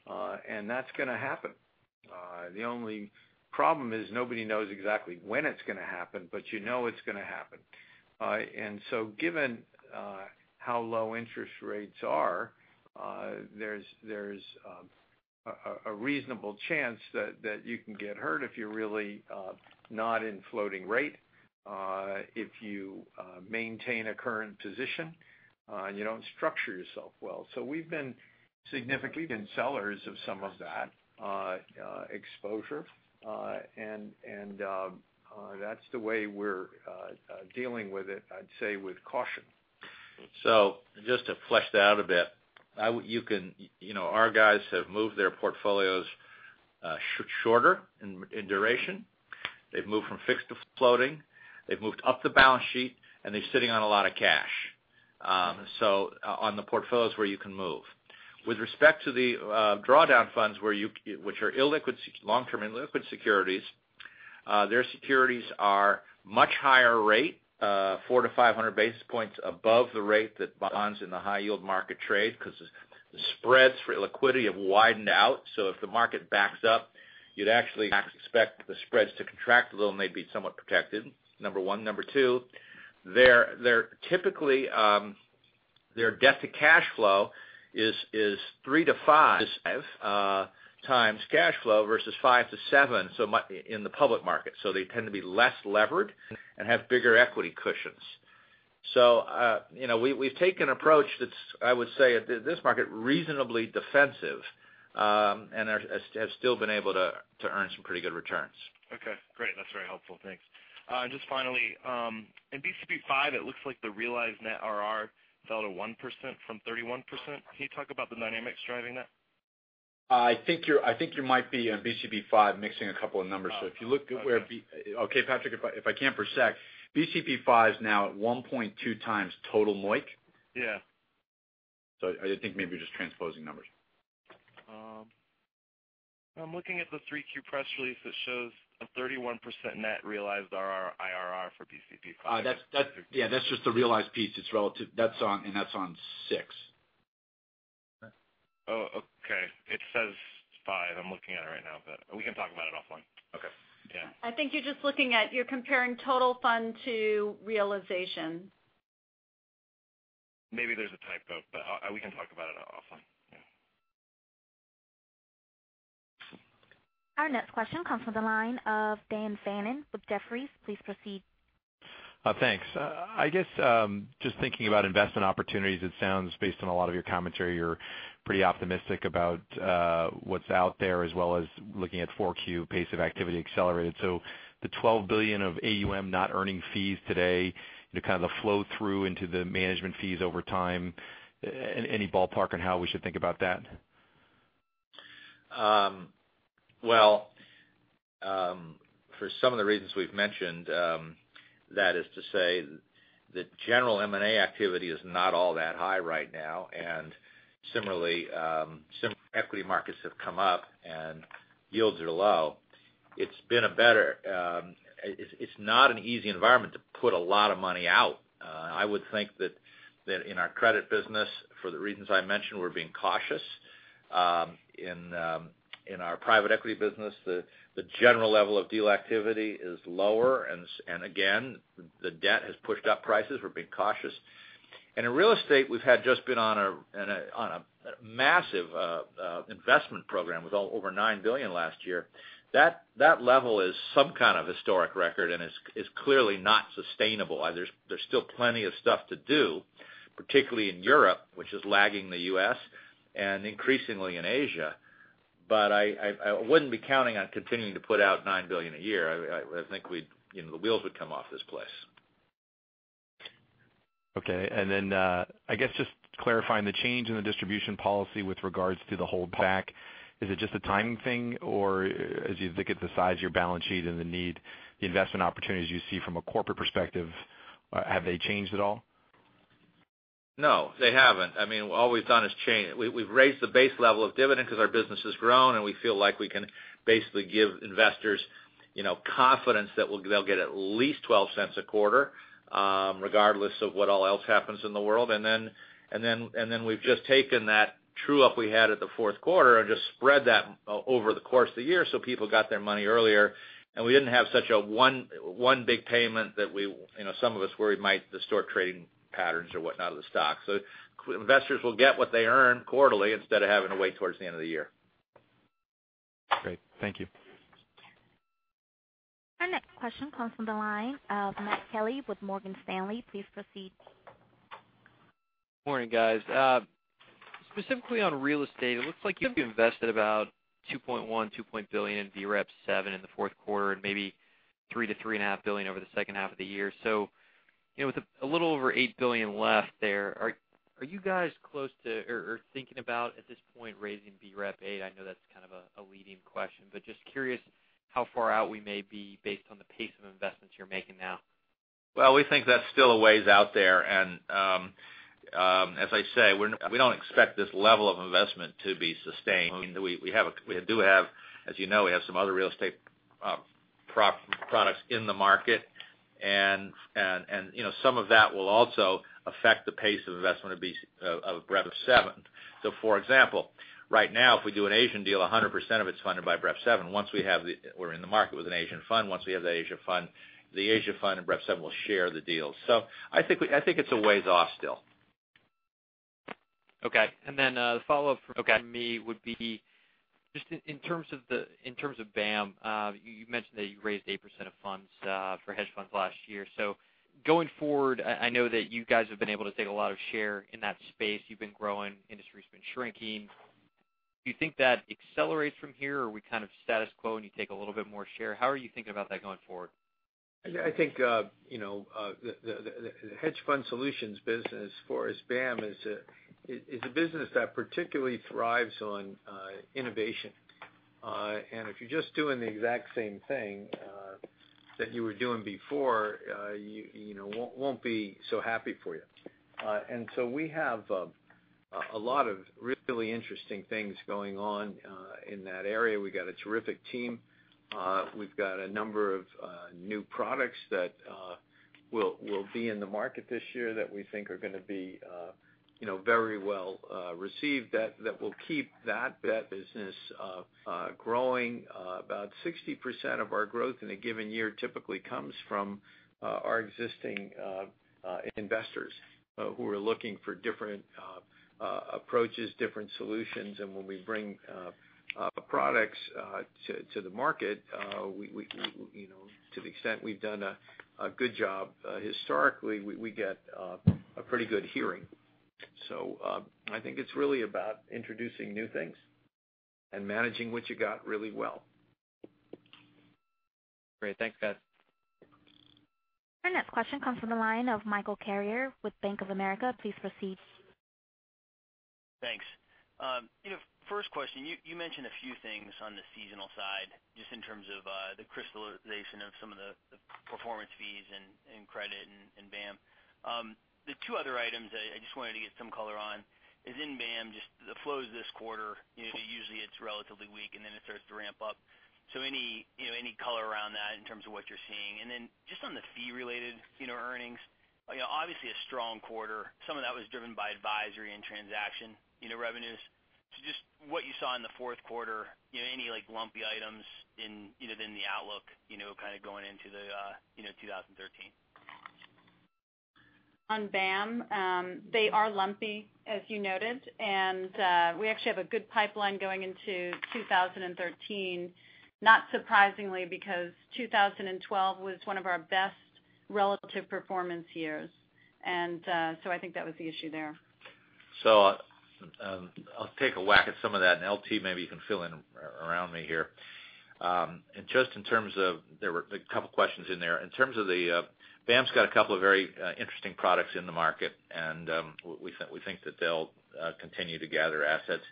That's going to happen. The only problem is nobody knows exactly when it's going to happen, but you know it's going to happen. Given how low interest rates are, there's a reasonable chance that you can get hurt if you're really not in floating rate, if you maintain a current position, and you don't structure yourself well. We've been significant sellers of some of that exposure. That's the way we're dealing with it, I'd say with caution. Just to flesh that out a bit, our guys have moved their portfolios shorter in duration. They've moved from fixed to floating. They've moved up the balance sheet, and they're sitting on a lot of cash. On the portfolios where you can move. With respect to the drawdown funds which are long-term illiquid securities, their securities are much higher rate, 400 to 500 basis points above the rate that bonds in the high yield market trade because the spreads for liquidity have widened out. If the market backs up, you'd actually expect the spreads to contract a little and they'd be somewhat protected, number one. Number two, their debt to cash flow is three to five times cash flow versus five to seven in the public market. They tend to be less levered and have bigger equity cushions. We've taken an approach that's, I would say this market reasonably defensive, and has still been able to earn some pretty good returns. Okay, great. That's very helpful. Thanks. Finally, in BCP V, it looks like the realized net IRR fell to 1% from 31%. Can you talk about the dynamics driving that? I think you might be on BCP V mixing a couple of numbers. Oh, okay. Patrick, if I can for a sec, BCP V is now at 1.2 times total MOIC. Yeah. I think maybe you're just transposing numbers. I'm looking at the 3Q press release that shows a 31% net realized IRR for BCP V. Yeah, that's just the realized piece. That's on six. Oh, okay. It says five. I'm looking at it right now. We can talk about it offline. I think you're just looking at, you're comparing total fund to realization. Maybe there's a typo, but we can talk about it offline. Yeah. Our next question comes from the line of Dan Fannon with Jefferies. Please proceed. Thanks. I guess, just thinking about investment opportunities, it sounds, based on a lot of your commentary, you're pretty optimistic about what's out there, as well as looking at 4Q pace of activity accelerated. The $12 billion of AUM not earning fees today, kind of the flow-through into the management fees over time, any ballpark on how we should think about that? For some of the reasons we've mentioned, that is to say that general M&A activity is not all that high right now, and similarly, equity markets have come up and yields are low. It's not an easy environment to put a lot of money out. I would think that in our credit business, for the reasons I mentioned, we're being cautious. In our private equity business, the general level of deal activity is lower. Again, the debt has pushed up prices. We're being cautious. In real estate, we've had just been on a massive investment program with over $9 billion last year. That level is some kind of historic record and is clearly not sustainable. There's still plenty of stuff to do, particularly in Europe, which is lagging the U.S., and increasingly in Asia. I wouldn't be counting on continuing to put out $9 billion a year. I think the wheels would come off this place. Okay. I guess just clarifying the change in the distribution policy with regards to the holdback. Is it just a timing thing, or as you look at the size of your balance sheet and the need, the investment opportunities you see from a corporate perspective, have they changed at all? No, they haven't. All we've done is we've raised the base level of dividend because our business has grown, and we feel like we can basically give investors confidence that they'll get at least $0.12 a quarter, regardless of what all else happens in the world. We've just taken that true-up we had at the fourth quarter and just spread that over the course of the year so people got their money earlier, and we didn't have such a one big payment that some of us worry might distort trading patterns or whatnot of the stock. Investors will get what they earn quarterly instead of having to wait towards the end of the year. Great. Thank you. Our next question comes from the line of Matthew Kelly with Morgan Stanley. Please proceed. Morning, guys. Specifically on real estate, it looks like you've invested about $2.1 billion in BREP VII in the fourth quarter and maybe $3 billion-$3.5 billion over the second half of the year. With a little over $8 billion left there, are you guys close to or thinking about, at this point, raising BREP VIII? I know that's kind of a leading question, but just curious how far out we may be based on the pace of investments you're making now. We think that's still a ways out there. As I say, we don't expect this level of investment to be sustained. As you know, we have some other real estate products in the market, and some of that will also affect the pace of investment of BREP VII. For example, right now, if we do an Asian deal, 100% of it's funded by BREP VII. Once we're in the market with an Asian fund, once we have the Asia fund, the Asia fund and BREP VII will share the deal. I think it's a ways off still. Okay. The follow-up from me would be just in terms of BAAM, you mentioned that you raised 8% of funds for hedge funds last year. Going forward, I know that you guys have been able to take a lot of share in that space. You've been growing, industry's been shrinking. Do you think that accelerates from here, or are we kind of status quo and you take a little bit more share? How are you thinking about that going forward? I think the hedge fund solutions business as far as BAAM is a business that particularly thrives on innovation. If you're just doing the exact same thing that you were doing before, it won't be so happy for you. We have a lot of really interesting things going on in that area. We've got a terrific team. We've got a number of new products that will be in the market this year that we think are going to be very well received that will keep that business growing. About 60% of our growth in a given year typically comes from our existing investors who are looking for different approaches, different solutions, and when we bring products to the market, to the extent we've done a good job historically, we get a pretty good hearing. I think it's really about introducing new things and managing what you got really well. Great. Thanks, guys. Our next question comes from the line of Michael Carrier with Bank of America. Please proceed. Thanks. First question, you mentioned a few things on the seasonal side, just in terms of the crystallization of some of the performance fees in credit and BAAM. The two other items I just wanted to get some color on is in BAAM, just the flows this quarter, usually it's relatively weak, and then it starts to ramp up. Any color around that in terms of what you're seeing? And then just on the fee-related earnings, obviously a strong quarter. Some of that was driven by advisory and transaction revenues. Just what you saw in the fourth quarter, any lumpy items in the outlook, kind of going into 2013? On BAAM, they are lumpy, as you noted. We actually have a good pipeline going into 2013, not surprisingly, because 2012 was one of our best relative performance years. I think that was the issue there. I'll take a whack at some of that, and LT, maybe you can fill in around me here. There were a couple of questions in there. In terms of the BAAM's got a couple of very interesting products in the market, and we think that they'll continue to gather assets.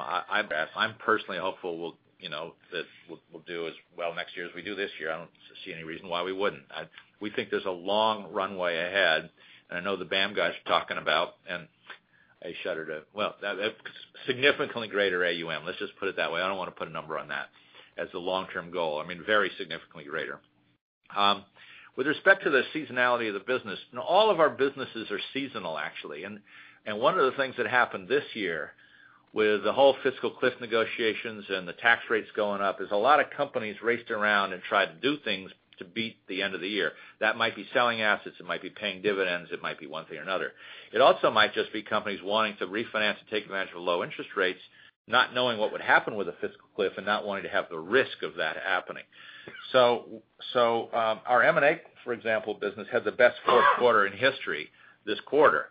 I'm personally hopeful that we'll do as well next year as we do this year. I don't see any reason why we wouldn't. We think there's a long runway ahead, I know the BAAM guys are talking about, I shudder to Well, significantly greater AUM. Let's just put it that way. I don't want to put a number on that as a long-term goal. I mean, very significantly greater. With respect to the seasonality of the business, all of our businesses are seasonal, actually. One of the things that happened this year with the whole fiscal cliff negotiations and the tax rates going up, is a lot of companies raced around and tried to do things to beat the end of the year. That might be selling assets, it might be paying dividends, it might be one thing or another. It also might just be companies wanting to refinance to take advantage of low interest rates, not knowing what would happen with a fiscal cliff and not wanting to have the risk of that happening. Our M&A, for example, business, had the best fourth quarter in history this quarter.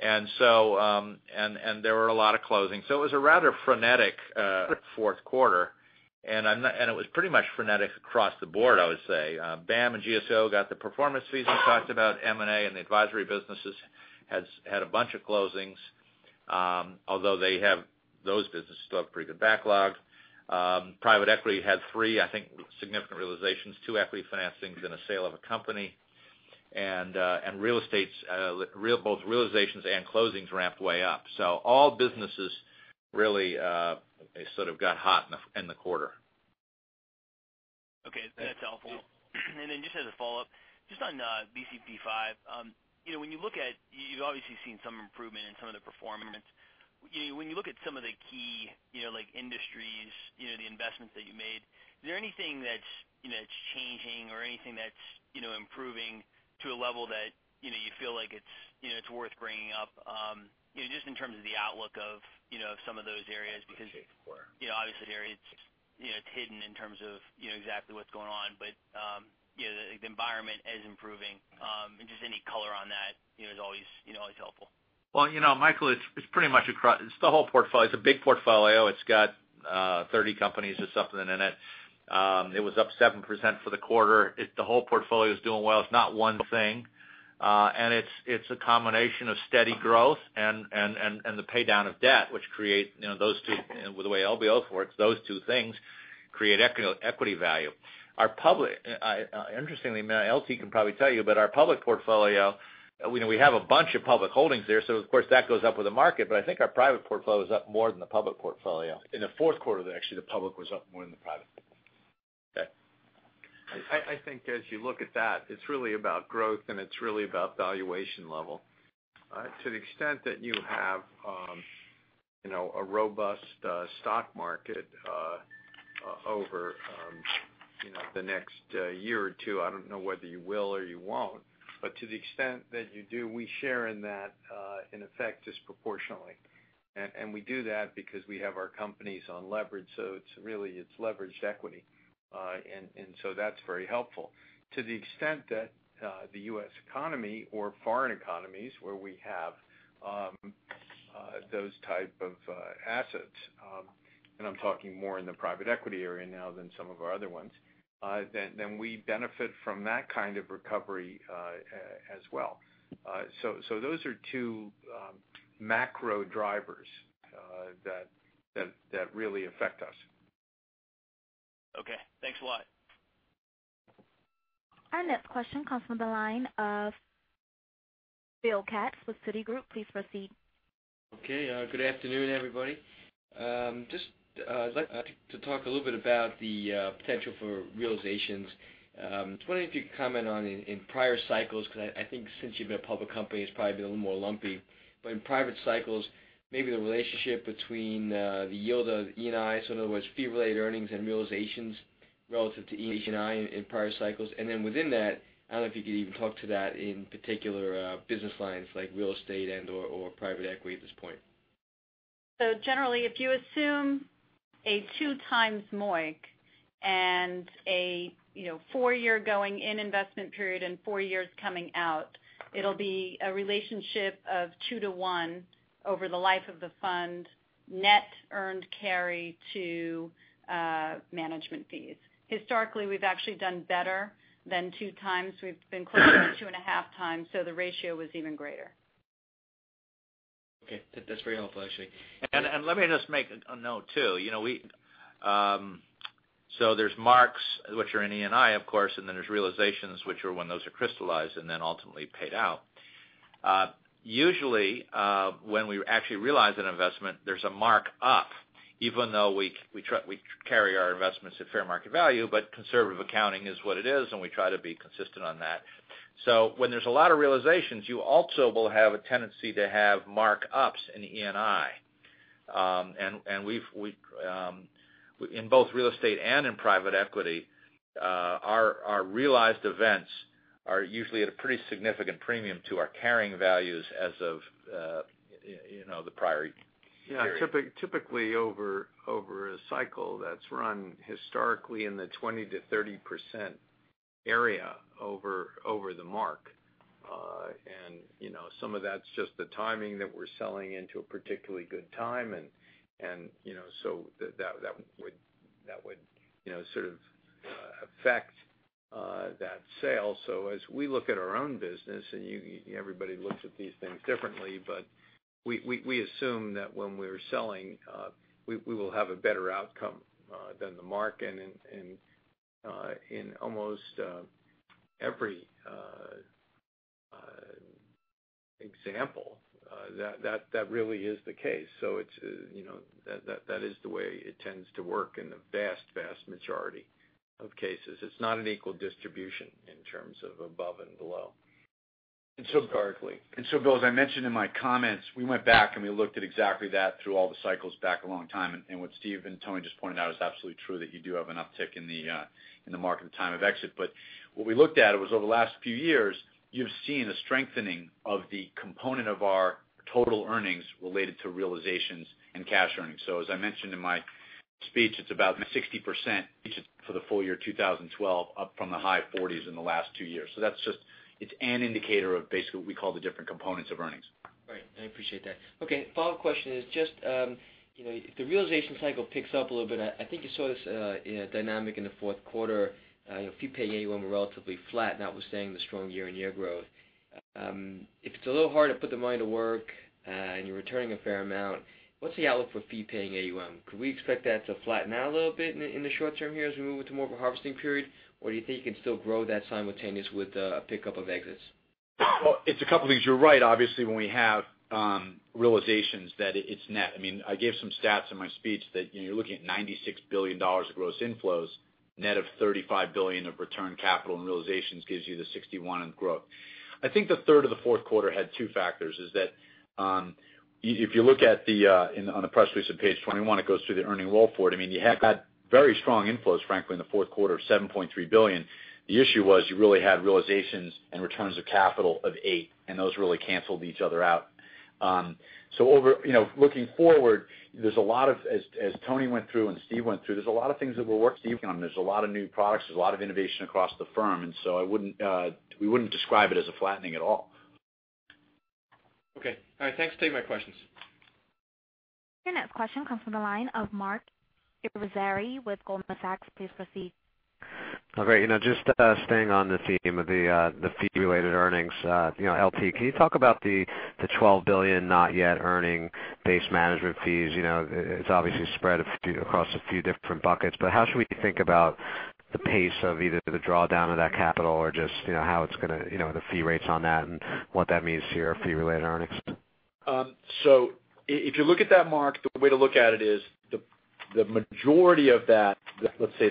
There were a lot of closings. It was a rather frenetic fourth quarter, and it was pretty much frenetic across the board, I would say. BAAM and GSO got the performance fees we talked about. M&A and the advisory businesses had a bunch of closings. Although those businesses still have pretty good backlogs. Private equity had three, I think, significant realizations, two equity financings and a sale of a company. Real estate, both realizations and closings ramped way up. All businesses really sort of got hot in the quarter. Okay. That's helpful. Then just as a follow-up, just on BCP 5. You've obviously seen some improvement in some of the performance. When you look at some of the key industries, the investments that you made, is there anything that's changing or anything that's improving to a level that you feel like it's worth bringing up, just in terms of the outlook of some of those areas? Because obviously, it's hidden in terms of exactly what's going on. The environment is improving, and just any color on that is always helpful. Well, Michael, it's a big portfolio. It's got 30 companies or something in it. It was up 7% for the quarter. The whole portfolio is doing well. It's not one thing. It's a combination of steady growth and the pay-down of debt. With the way LBO works, those two things create equity value. Interestingly, LT can probably tell you, our public portfolio, we have a bunch of public holdings there, of course that goes up with the market, I think our private portfolio is up more than the public portfolio. In the fourth quarter, actually, the public was up more than the private. I think as you look at that, it's really about growth, it's really about valuation level. To the extent that you have a robust stock market over the next year or two, I don't know whether you will or you won't, to the extent that you do, we share in that, in effect, disproportionately. We do that because we have our companies on leverage. Really, it's leveraged equity. That's very helpful. To the extent that the U.S. economy or foreign economies, where we have those type of assets, and I'm talking more in the private equity area now than some of our other ones, then we benefit from that kind of recovery as well. Those are two macro drivers that really affect us. Okay. Thanks a lot. Our next question comes from the line of William Katz with Citigroup. Please proceed. Okay. Good afternoon, everybody. Just would like to talk a little bit about the potential for realizations. Just wondering if you could comment on in prior cycles, because I think since you've been a public company, it's probably been a little more lumpy, but in private cycles, maybe the relationship between the yield of ENI, so in other words, fee-related earnings and realizations relative to ENI in prior cycles. Within that, I don't know if you could even talk to that in particular business lines like real estate and/or private equity at this point. Generally, if you assume a two times MOIC and a four-year going-in investment period and four years coming out, it'll be a relationship of two to one over the life of the fund, net earned carry to management fees. Historically, we've actually done better than two times. We've been closer to two and a half times, the ratio was even greater. Okay. That's very helpful, actually. Let me just make a note, too. There's marks, which are in ENI, of course, and then there's realizations, which are when those are crystallized and then ultimately paid out. Usually, when we actually realize an investment, there's a mark-up. Even though we carry our investments at fair market value, but conservative accounting is what it is, and we try to be consistent on that. When there's a lot of realizations, you also will have a tendency to have mark-ups in ENI. In both real estate and in private equity, our realized events are usually at a pretty significant premium to our carrying values as of the prior period. Typically, over a cycle, that's run historically in the 20%-30% area over the mark. Some of that's just the timing that we're selling into a particularly good time, and so that would sort of affect that sale. As we look at our own business, and everybody looks at these things differently, but we assume that when we're selling, we will have a better outcome than the mark. In almost every example, that really is the case. That is the way it tends to work in the vast majority of cases. It's not an equal distribution in terms of above and below historically. Bill, as I mentioned in my comments, we went back, and we looked at exactly that through all the cycles back a long time. What Steve and Tony just pointed out is absolutely true, that you do have an uptick in the market at the time of exit. What we looked at was over the last few years, you've seen a strengthening of the component of our total earnings related to realizations and cash earnings. As I mentioned in my speech, it's about 60% for the full year 2012, up from the high 40s in the last two years. It's an indicator of basically what we call the different components of earnings. Right. I appreciate that. Okay. Follow-up question is just, if the realization cycle picks up a little bit, I think you saw this dynamic in the fourth quarter. Fee-paying AUM were relatively flat, notwithstanding the strong year-on-year growth. If it's a little hard to put the money to work, and you're returning a fair amount, what's the outlook for fee-paying AUM? Could we expect that to flatten out a little bit in the short term here as we move into more of a harvesting period? Do you think you can still grow that simultaneous with a pickup of exits? Well, it's a couple things. You're right, obviously, when we have realizations that it's net. I gave some stats in my speech that you're looking at $96 billion of gross inflows, net of $35 billion of return capital and realizations gives you the $61 in growth. I think the third of the fourth quarter had two factors, is that if you look on the press release on page 21, it goes through the earning roll forward. You had very strong inflows, frankly, in the fourth quarter of $7.3 billion. The issue was you really had realizations and returns of capital of eight, and those really canceled each other out. Looking forward, as Tony went through and Steve went through, there's a lot of things that we're working on. There's a lot of new products. There's a lot of innovation across the firm. We wouldn't describe it as a flattening at all. Okay. All right. Thanks. Take my questions. Your next question comes from the line of Marc Irizarry with Goldman Sachs. Please proceed. Okay. Just staying on the theme of the fee-related earnings. LT, can you talk about the $12 billion not yet earning base management fees? It's obviously spread across a few different buckets, but how should we think about the pace of either the drawdown of that capital or just the fee rates on that and what that means to your fee-related earnings? If you look at that, Marc, the way to look at it is the majority of that, let's say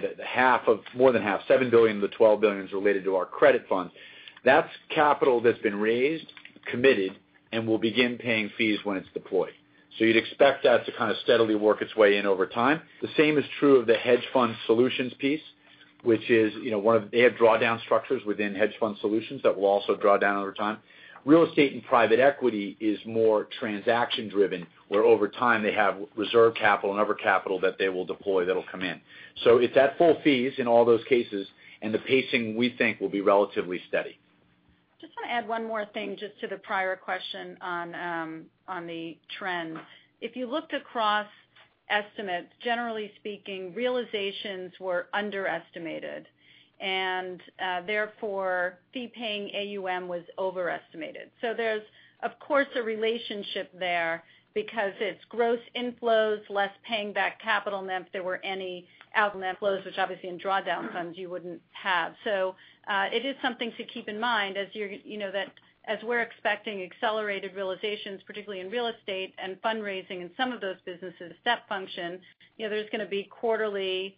more than half, $7 billion of the $12 billion is related to our credit funds. That's capital that's been raised, committed, and will begin paying fees when it's deployed. You'd expect that to kind of steadily work its way in over time. The same is true of the hedge fund solutions piece. They have drawdown structures within hedge fund solutions that will also draw down over time. Real estate and private equity is more transaction-driven, where over time they have reserve capital and other capital that they will deploy that'll come in. It's at full fees in all those cases, and the pacing, we think, will be relatively steady. Just want to add one more thing just to the prior question on the trend. If you looked across estimates, generally speaking, realizations were underestimated, and therefore fee-paying AUM was overestimated. There's, of course, a relationship there because it's gross inflows less paying back capital and then if there were any outflows, which obviously in drawdown funds you wouldn't have. It is something to keep in mind as we're expecting accelerated realizations, particularly in real estate and fundraising in some of those businesses, step function. There's going to be quarterly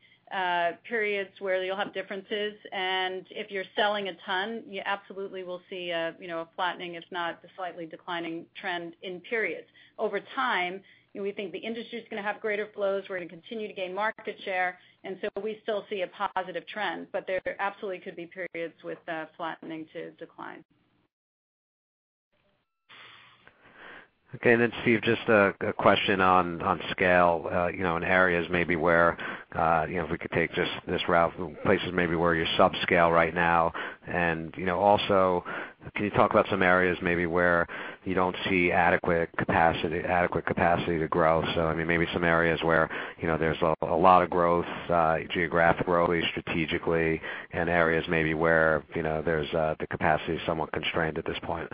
periods where you'll have differences, and if you're selling a ton, you absolutely will see a flattening, if not a slightly declining trend in periods. Over time, we think the industry's going to have greater flows. We're going to continue to gain market share, we still see a positive trend. There absolutely could be periods with flattening to decline. Okay, Steve, just a question on scale, in areas maybe where, if we could take this route, places maybe where you sub-scale right now. Also, can you talk about some areas maybe where you don't see adequate capacity to grow? Maybe some areas where there's a lot of growth geographically, strategically, and areas maybe where the capacity is somewhat constrained at this point.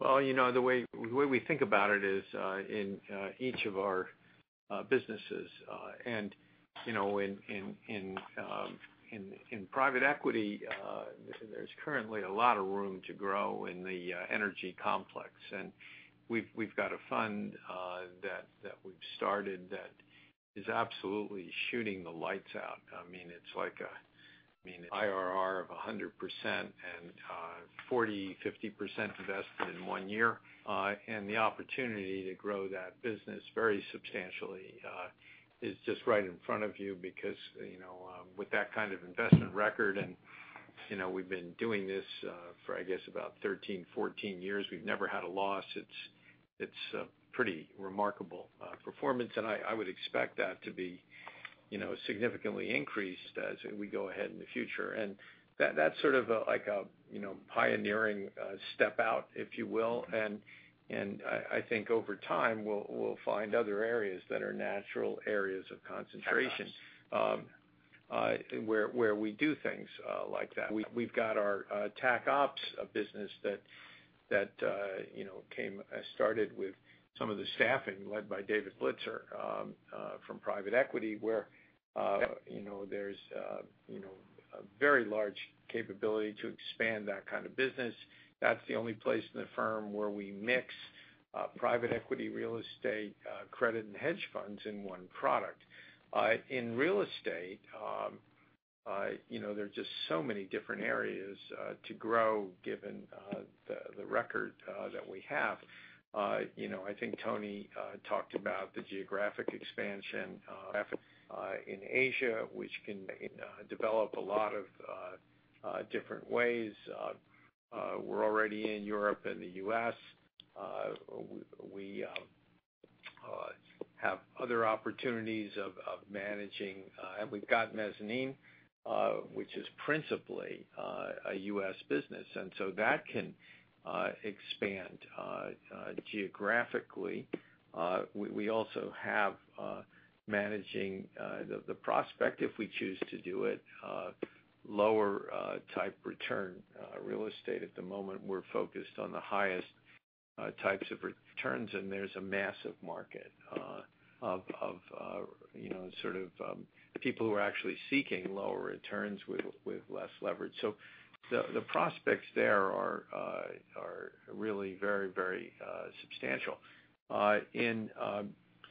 Well, the way we think about it is in each of our businesses. In private equity, there's currently a lot of room to grow in the energy complex. We've got a fund that we've started that is absolutely shooting the lights out. It's like a, IRR of 100% and 40%-50% invested in one year. The opportunity to grow that business very substantially is just right in front of you because, with that kind of investment record, and we've been doing this for, I guess about 13, 14 years, we've never had a loss. It's a pretty remarkable performance, and I would expect that to be significantly increased as we go ahead in the future. That's sort of like a pioneering step out, if you will. I think over time, we'll find other areas that are natural areas of concentration where we do things like that. We've got our Tac Ops business that started with some of the staffing led by David Blitzer from private equity, where there's a very large capability to expand that kind of business. That's the only place in the firm where we mix private equity, real estate, credit, and hedge funds in one product. In real estate, there are just so many different areas to grow given the record that we have. I think Tony talked about the geographic expansion in Asia, which can develop a lot of different ways. We're already in Europe and the U.S. We have other opportunities of managing. We've got Mezzanine, which is principally a U.S. business, so that can expand geographically. We also have managing the prospect, if we choose to do it, lower type return real estate. At the moment, we're focused on the highest types of returns, and there's a massive market of sort of, people who are actually seeking lower returns with less leverage. The prospects there are really very substantial. In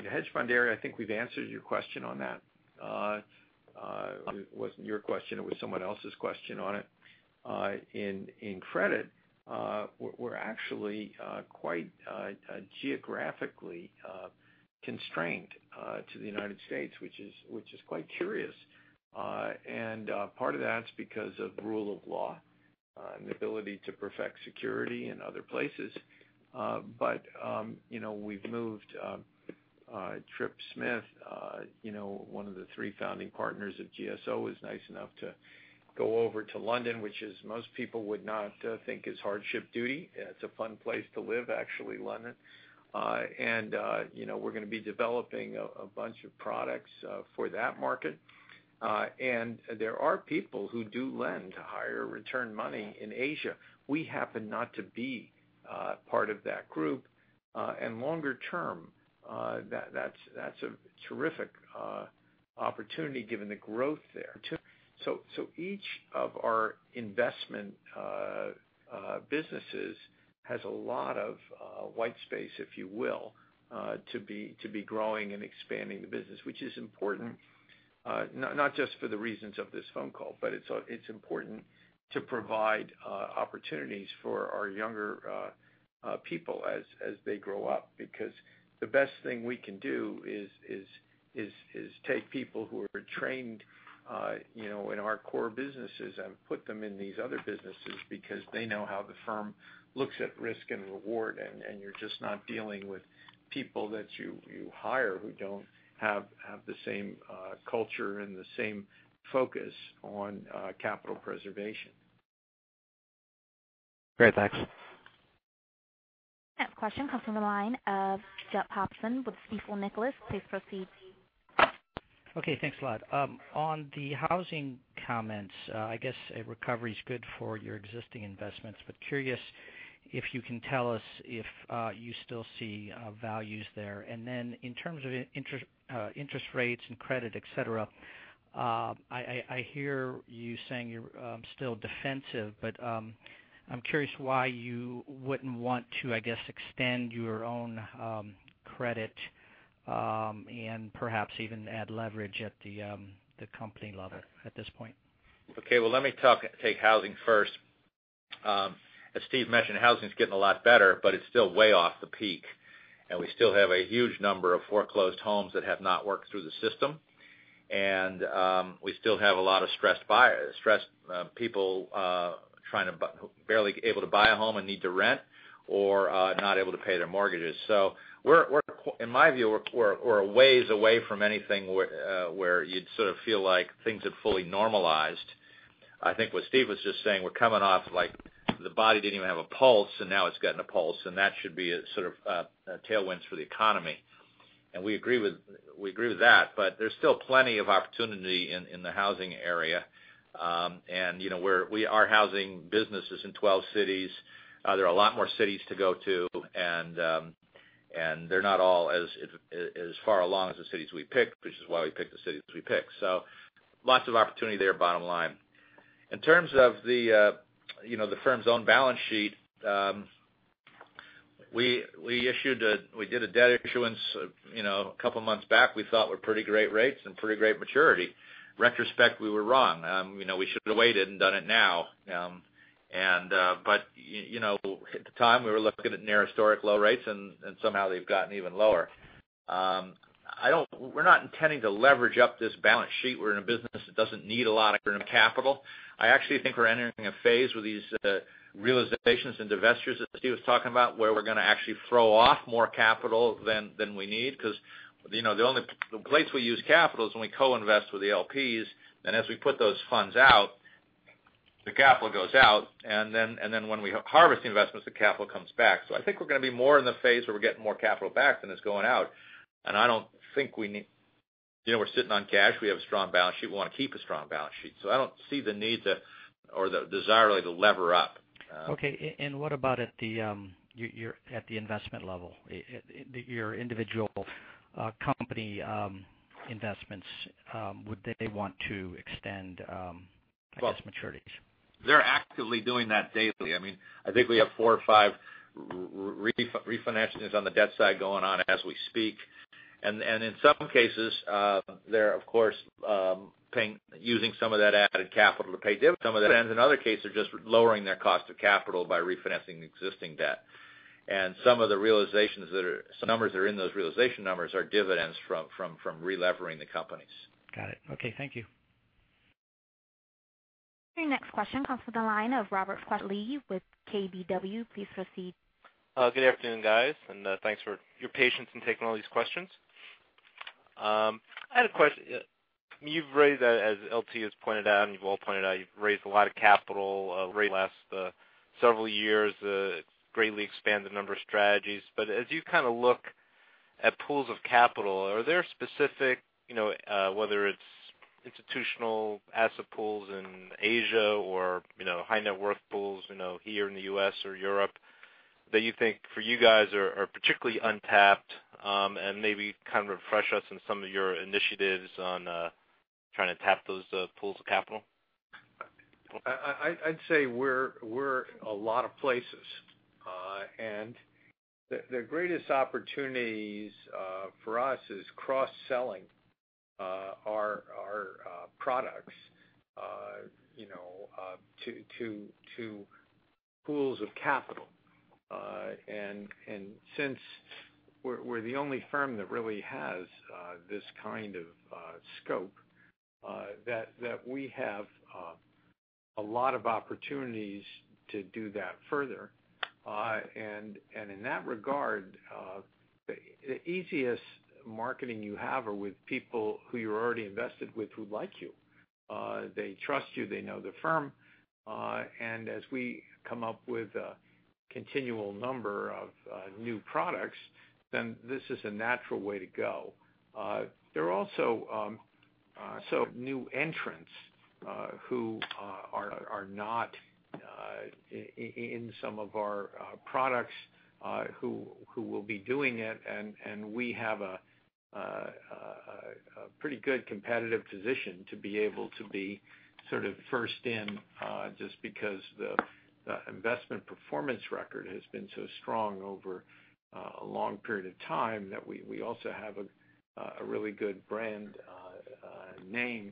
the hedge fund area, I think we've answered your question on that. It wasn't your question, it was someone else's question on it. In credit, we're actually quite geographically constrained to the U.S., which is quite curious. Part of that is because of rule of law and the ability to perfect security in other places. We've moved. Tripp Smith, one of the three founding partners at GSO, was nice enough to go over to London, which most people would not think is hardship duty. It's a fun place to live, actually, London. We're going to be developing a bunch of products for that market. There are people who do lend higher return money in Asia. We happen not to be part of that group. Longer term, that's a terrific opportunity given the growth there. Each of our investment businesses has a lot of white space, if you will, to be growing and expanding the business, which is important, not just for the reasons of this phone call. It's important to provide opportunities for our younger people as they grow up. The best thing we can do is take people who are trained in our core businesses and put them in these other businesses because they know how the firm looks at risk and reward, you're just not dealing with people that you hire who don't have the same culture and the same focus on capital preservation. Great. Thanks. Next question comes from the line of Jeffrey Hopson with Stifel Nicolaus. Please proceed. Okay. Thanks a lot. On the housing comments, I guess a recovery is good for your existing investments, but curious if you can tell us if you still see values there. Then in terms of interest rates and credit, et cetera, I hear you saying you're still defensive, but I'm curious why you wouldn't want to, I guess, extend your own credit, and perhaps even add leverage at the company level at this point. Okay. Well, let me take housing first. As Steve mentioned, housing's getting a lot better, but it's still way off the peak, and we still have a huge number of foreclosed homes that have not worked through the system. We still have a lot of stressed people barely able to buy a home and need to rent or not able to pay their mortgages. In my view, we're a ways away from anything where you'd sort of feel like things have fully normalized. I think what Steve was just saying, we're coming off, like the body didn't even have a pulse, and now it's gotten a pulse, and that should be sort of a tailwind for the economy. We agree with that. There's still plenty of opportunity in the housing area. Our housing business is in 12 cities. There are a lot more cities to go to. They're not all as far along as the cities we picked, which is why we picked the cities we picked. Lots of opportunity there, bottom line. In terms of the firm's own balance sheet, we did a debt issuance a couple of months back we thought were pretty great rates and pretty great maturity. Retrospect, we were wrong. We should have waited and done it now. At the time, we were looking at near historic low rates, and somehow they've gotten even lower. We're not intending to leverage up this balance sheet. We're in a business that doesn't need a lot of current capital. I actually think we're entering a phase with these realizations and divestitures that Steve was talking about, where we're going to actually throw off more capital than we need. The only place we use capital is when we co-invest with the LPs, and as we put those funds out, the capital goes out, and then when we harvest the investments, the capital comes back. I think we're going to be more in the phase where we're getting more capital back than is going out. We're sitting on cash. We have a strong balance sheet. We want to keep a strong balance sheet. I don't see the need to, or the desire, really, to lever up. Okay. What about at the investment level, your individual company investments, would they want to extend, I guess, maturities? They're actively doing that daily. I think we have four or five refinancings on the debt side going on as we speak. In some cases, they're of course, using some of that added capital to pay dividends. In other cases, they're just lowering their cost of capital by refinancing existing debt. Some numbers that are in those realization numbers are dividends from relevering the companies. Got it. Okay. Thank you. Your next question comes from the line of Robert Lee with KBW. Please proceed. Good afternoon, guys, and thanks for your patience in taking all these questions. I had a question. You've raised, as LT has pointed out, and you've all pointed out, you've raised a lot of capital over the last several years, greatly expanded the number of strategies. As you kind of look at pools of capital, are there specific, whether it's institutional asset pools in Asia or high net worth pools here in the U.S. or Europe that you think for you guys are particularly untapped? Maybe kind of refresh us on some of your initiatives on trying to tap those pools of capital. I'd say we're a lot of places. The greatest opportunities for us is cross-selling our products to pools of capital. Since we're the only firm that really has this kind of scope, that we have a lot of opportunities to do that further. In that regard, the easiest marketing you have are with people who you're already invested with who like you. They trust you. They know the firm. As we come up with a continual number of new products, this is a natural way to go. There are also new entrants who are not in some of our products who will be doing it, we have a pretty good competitive position to be able to be sort of first in, just because the investment performance record has been so strong over a long period of time that we also have a really good brand name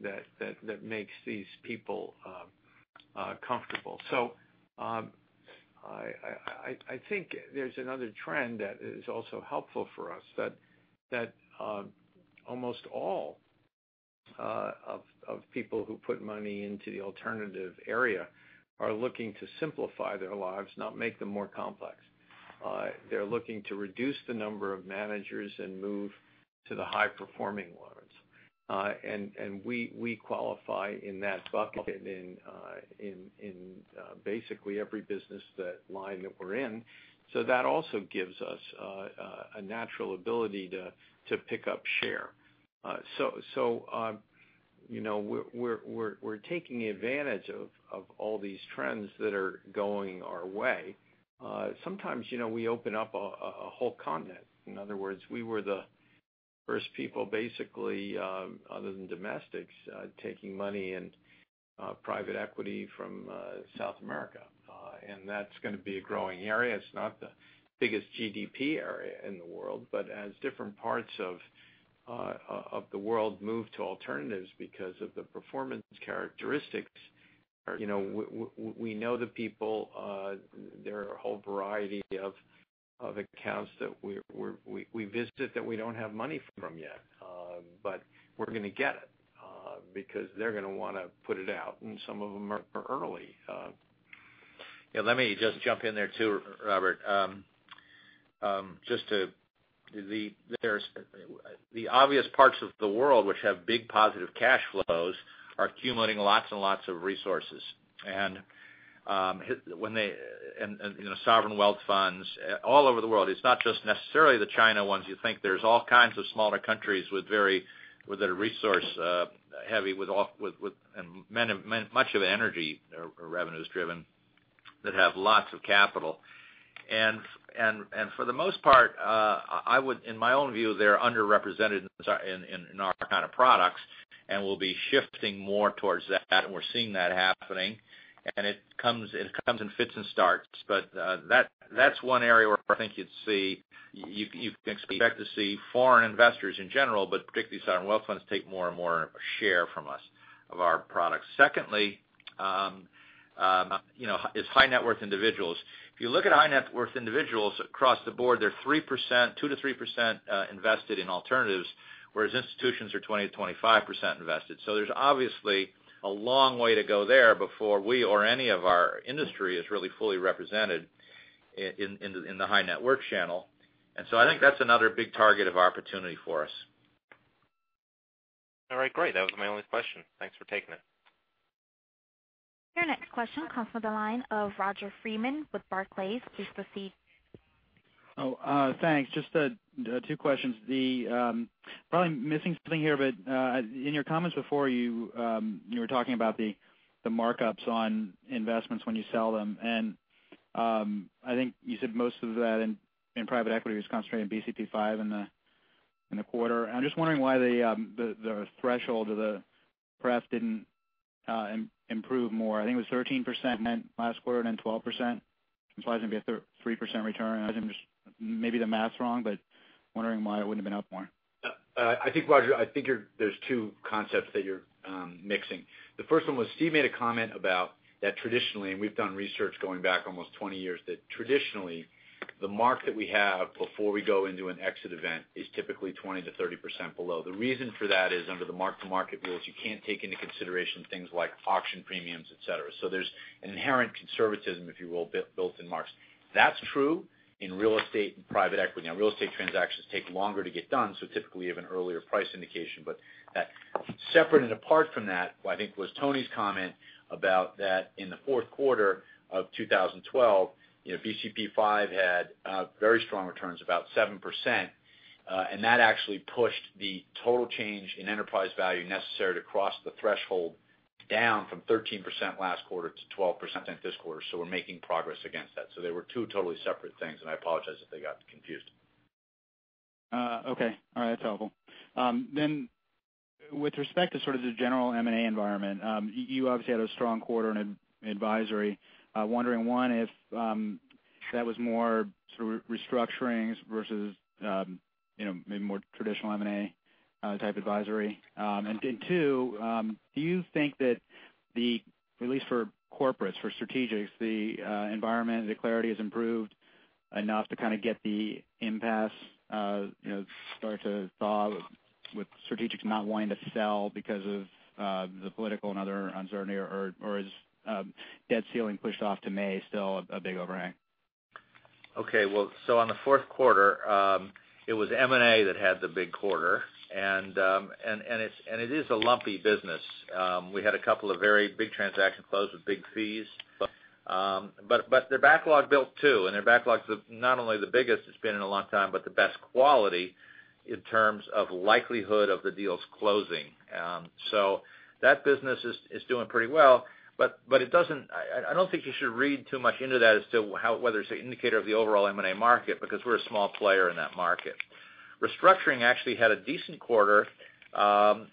that makes these people comfortable. I think there's another trend that is also helpful for us, that almost all of people who put money into the alternative area are looking to simplify their lives, not make them more complex. They're looking to reduce the number of managers and move to the high-performing ones. We qualify in that bucket in basically every business line that we're in. That also gives us a natural ability to pick up share. We're taking advantage of all these trends that are going our way. Sometimes we open up a whole continent. In other words, we were the first people, basically, other than domestics, taking money in private equity from South America. That's going to be a growing area. It's not the biggest GDP area in the world. As different parts of the world move to alternatives because of the performance characteristics, we know the people. There are a whole variety of accounts that we visit that we don't have money from yet. We're going to get it because they're going to want to put it out, and some of them are early. Yeah. Let me just jump in there too, Robert. The obvious parts of the world which have big positive cash flows are accumulating lots and lots of resources. Sovereign wealth funds all over the world. It's not just necessarily the China ones. You think there's all kinds of smaller countries with a resource heavy with much of the energy revenues driven that have lots of capital. For the most part, in my own view, they're underrepresented in our kind of products, and we'll be shifting more towards that, and we're seeing that happening, and it comes in fits and starts. That's one area where I think you'd expect to see foreign investors in general, but particularly sovereign wealth funds, take more and more share from us, of our products. Secondly, is high net worth individuals. If you look at high net worth individuals across the board, they're 3%, 2%-3% invested in alternatives, whereas institutions are 20%-25% invested. There's obviously a long way to go there before we or any of our industry is really fully represented in the high net worth channel. I think that's another big target of opportunity for us. All right. Great. That was my only question. Thanks for taking it. Your next question comes from the line of Roger Freeman with Barclays. Please proceed. Thanks. Just two questions. Probably missing something here, but in your comments before, you were talking about the markups on investments when you sell them, and I think you said most of that in private equity was concentrated in BCP 5 in the quarter. I'm just wondering why the threshold of the pref didn't improve more. I think it was 13% last quarter, then 12%. I'm surprised it wouldn't be a 3% return. Maybe the math's wrong, but wondering why it wouldn't have been up more. I think, Roger, there's two concepts that you're mixing. The first one was Steve made a comment about that traditionally, and we've done research going back almost 20 years, that traditionally the mark that we have before we go into an exit event is typically 20%-30% below. The reason for that is under the mark-to-market rules, you can't take into consideration things like auction premiums, et cetera. There's an inherent conservatism, if you will, built in marks. That's true in real estate and private equity. Real estate transactions take longer to get done, so typically you have an earlier price indication. Separate and apart from that, what I think was Tony's comment about that in the fourth quarter of 2012, BCP 5 had very strong returns, about 7%, and that actually pushed the total change in enterprise value necessary to cross the threshold down from 13% last quarter to 12% this quarter. We're making progress against that. They were two totally separate things, and I apologize if they got confused. Okay. All right. That's helpful. With respect to sort of the general M&A environment, you obviously had a strong quarter in advisory. Wondering, 1, if that was more sort of restructurings versus maybe more traditional M&A type advisory. 2, do you think that the, at least for corporates, for strategics, the environment, the clarity has improved enough to kind of get the impasse start to thaw with strategics not wanting to sell because of the political and other uncertainty, or is debt ceiling pushed off to May still a big overhang? Okay. On the fourth quarter, it was M&A that had the big quarter, and it is a lumpy business. We had a couple of very big transaction close with big fees. Their backlog built too, and their backlog's not only the biggest it's been in a long time, but the best quality in terms of likelihood of the deals closing. That business is doing pretty well, but I don't think you should read too much into that as to whether it's an indicator of the overall M&A market, because we're a small player in that market. Restructuring actually had a decent quarter, and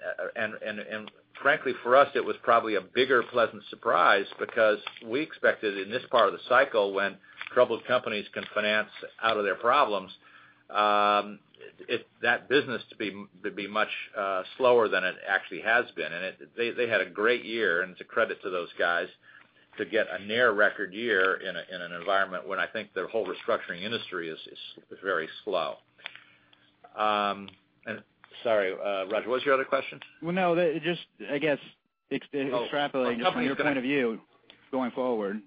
frankly, for us, it was probably a bigger pleasant surprise because we expected in this part of the cycle when troubled companies can finance out of their problems, that business to be much slower than it actually has been. They had a great year, and it's a credit to those guys to get a near record year in an environment when I think their whole restructuring industry is very slow. Sorry, Roger, what was your other question? No, just, I guess extrapolating from your point of view going forward.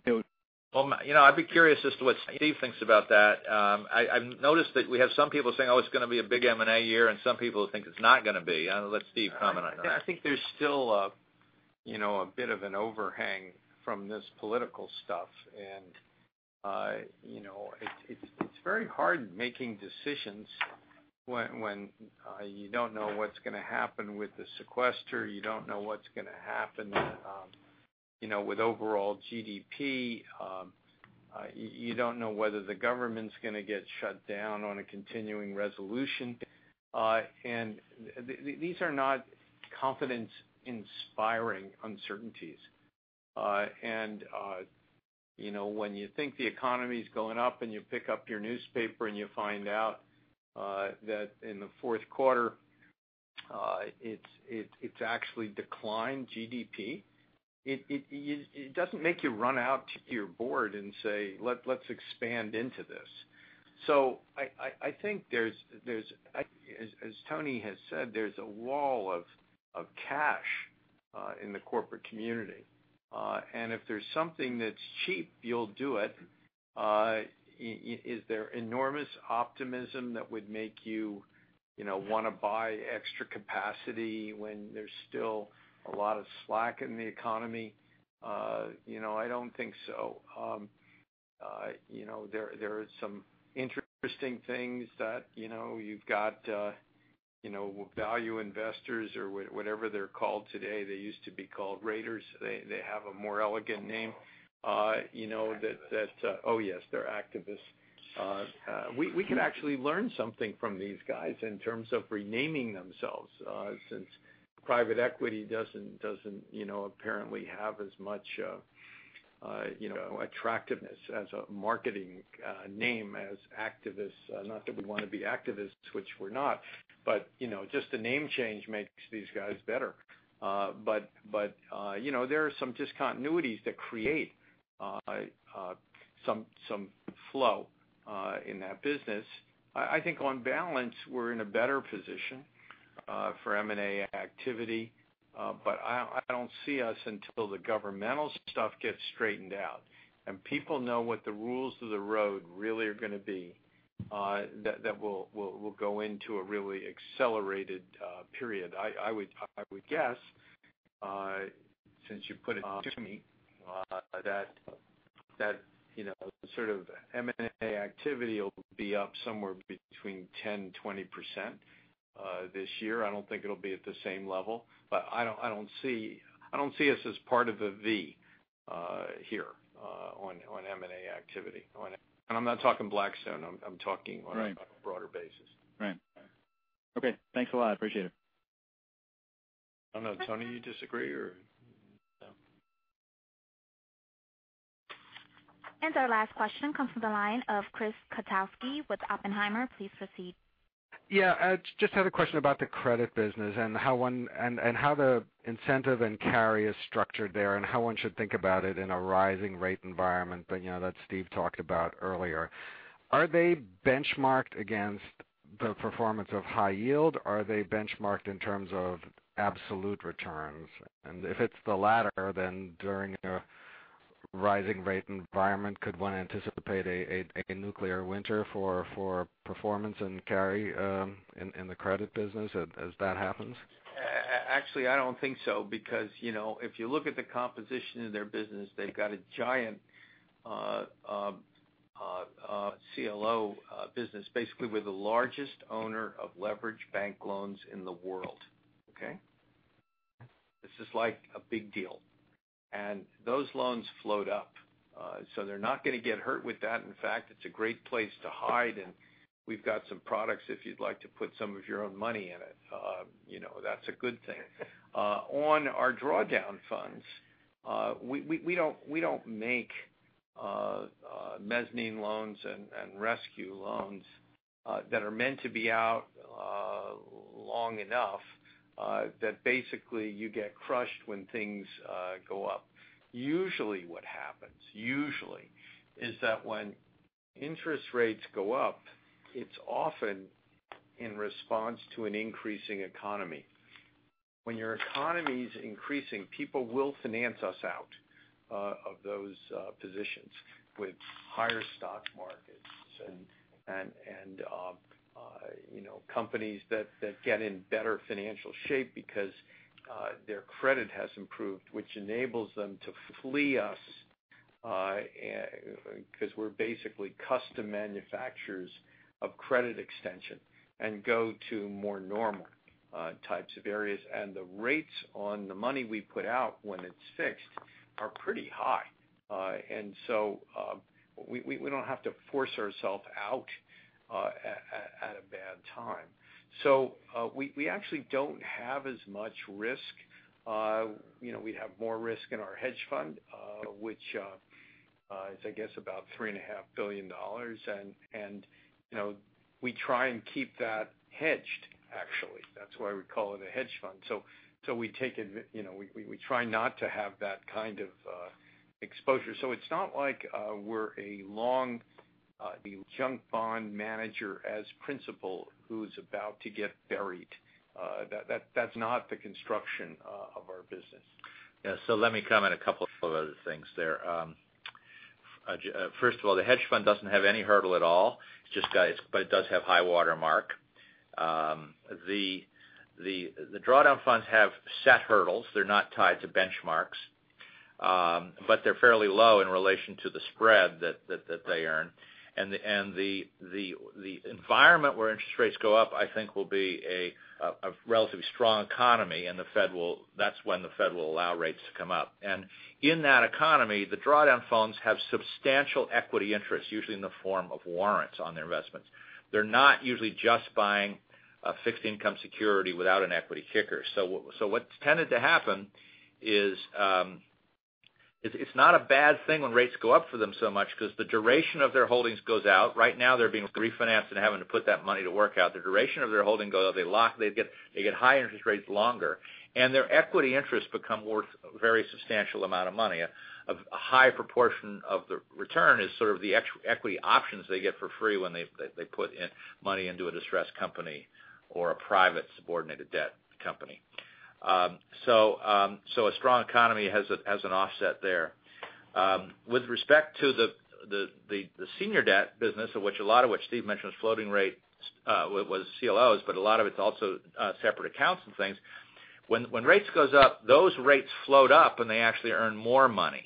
Well, I'd be curious as to what Steve thinks about that. I've noticed that we have some people saying, "Oh, it's going to be a big M&A year," and some people who think it's not going to be. I'll let Steve comment on that. I think there's still a bit of an overhang from this political stuff. It's very hard making decisions when you don't know what's going to happen with the sequester. You don't know what's going to happen with overall GDP. You don't know whether the government's going to get shut down on a continuing resolution. These are not confidence-inspiring uncertainties. When you think the economy's going up and you pick up your newspaper and you find out that in the fourth quarter it's actually declined GDP, it doesn't make you run out to your board and say, "Let's expand into this." I think as Tony has said, there's a wall of cash in the corporate community, and if there's something that's cheap, you'll do it. Is there enormous optimism that would make you want to buy extra capacity when there's still a lot of slack in the economy? I don't think so. There are some interesting things that you've got value investors or whatever they're called today. They used to be called raiders. They have a more elegant name. Activists. Oh, yes, they're activists. We can actually learn something from these guys in terms of renaming themselves, since private equity doesn't apparently have as much attractiveness as a marketing name as activists. Not that we want to be activists, which we're not, but just a name change makes these guys better. There are some discontinuities that create some flow in that business. I think on balance, we're in a better position for M&A activity. I don't see us until the governmental stuff gets straightened out, and people know what the rules of the road really are going to be, that we'll go into a really accelerated period. I would guess, since you put it to me, that sort of M&A activity will be up somewhere between 10%-20% this year. I don't think it'll be at the same level. I don't see us as part of a V here on M&A activity. I'm not talking Blackstone. Right on a broader basis. Right. Okay, thanks a lot. Appreciate it. I don't know, Tony, you disagree or no? Our last question comes from the line of Chris Kotowski with Oppenheimer. Please proceed. Yeah. Just had a question about the credit business and how the incentive and carry is structured there and how one should think about it in a rising rate environment that Steve talked about earlier. Are they benchmarked against the performance of high yield? Are they benchmarked in terms of absolute returns? If it's the latter, then during a rising rate environment, could one anticipate a nuclear winter for performance and carry in the credit business as that happens? Actually, I don't think so because if you look at the composition of their business, they've got a giant CLO business, basically, we're the largest owner of leverage bank loans in the world. Okay? This is like a big deal. Those loans float up. They're not going to get hurt with that. In fact, it's a great place to hide, and we've got some products if you'd like to put some of your own money in it. That's a good thing. On our drawdown funds, we don't make mezzanine loans and rescue loans that are meant to be out long enough that basically you get crushed when things go up. Usually what happens is that when interest rates go up, it's often in response to an increasing economy. When your economy's increasing, people will finance us out of those positions with higher stock markets and companies that get in better financial shape because their credit has improved, which enables them to flee us, because we're basically custom manufacturers of credit extension, and go to more normal types of areas. The rates on the money we put out when it's fixed are pretty high. We don't have to force ourself out at a bad time. We actually don't have as much risk. We have more risk in our hedge fund, which is, I guess, about $3.5 billion. We try and keep that hedged, actually. That's why we call it a hedge fund. We try not to have that kind of exposure. It's not like we're a long junk bond manager as principal who's about to get buried. That's not the construction of our business. Let me comment a couple of other things there. First of all, the hedge fund doesn't have any hurdle at all. It does have high water mark. The drawdown funds have set hurdles. They're not tied to benchmarks. They're fairly low in relation to the spread that they earn. The environment where interest rates go up, I think, will be a relatively strong economy, and that's when the Fed will allow rates to come up. In that economy, the drawdown funds have substantial equity interest, usually in the form of warrants on their investments. They're not usually just buying a fixed income security without an equity kicker. What's tended to happen is it's not a bad thing when rates go up for them so much because the duration of their holdings goes out. Right now they're being refinanced and having to put that money to work out. They lock, they get high interest rates longer, and their equity interests become worth a very substantial amount of money. A high proportion of the return is sort of the equity options they get for free when they put money into a distressed company or a private subordinated debt company. A strong economy has an offset there. With respect to the senior debt business, a lot of which Steve mentioned was floating rate, was CLOs, a lot of it's also separate accounts and things. When rates goes up, those rates float up, and they actually earn more money.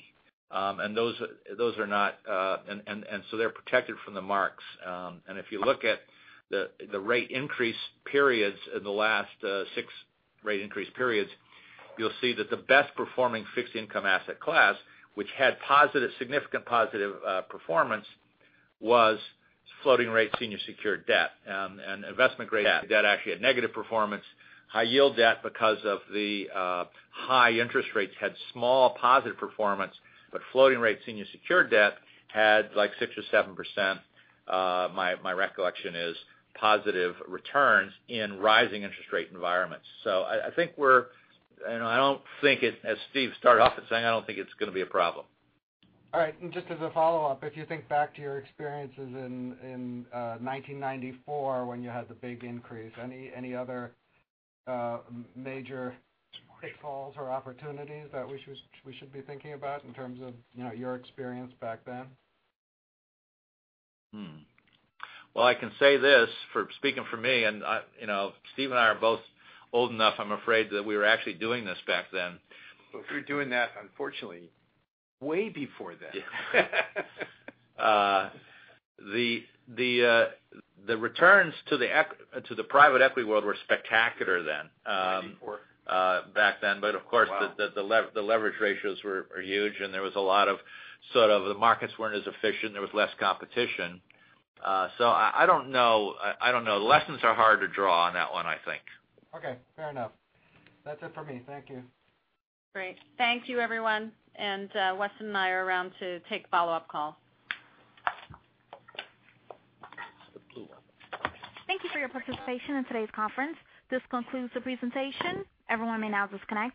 They're protected from the marks. If you look at the rate increase periods in the last six rate increase periods, you'll see that the best performing fixed income asset class, which had significant positive performance, was floating rate senior secured debt. Investment grade debt actually had negative performance. High yield debt, because of the high interest rates, had small positive performance. Floating rate senior secured debt had, like, 6% or 7%, my recollection is, positive returns in rising interest rate environments. I think as Steve started off in saying, I don't think it's going to be a problem. Just as a follow-up, if you think back to your experiences in 1994 when you had the big increase, any other major pitfalls or opportunities that we should be thinking about in terms of your experience back then? Well, I can say this, speaking for me, and Steve and I are both old enough, I'm afraid, that we were actually doing this back then. We were doing that, unfortunately, way before then. Yeah. The returns to the private equity world were spectacular then. '94? back then. Of course Wow the leverage ratios were huge, there was a lot of sort of, the markets weren't as efficient. There was less competition. I don't know. Lessons are hard to draw on that one, I think. Okay. Fair enough. That's it for me. Thank you. Great. Thank you, everyone. Weston and I are around to take follow-up calls. Thank you for your participation in today's conference. This concludes the presentation. Everyone may now disconnect.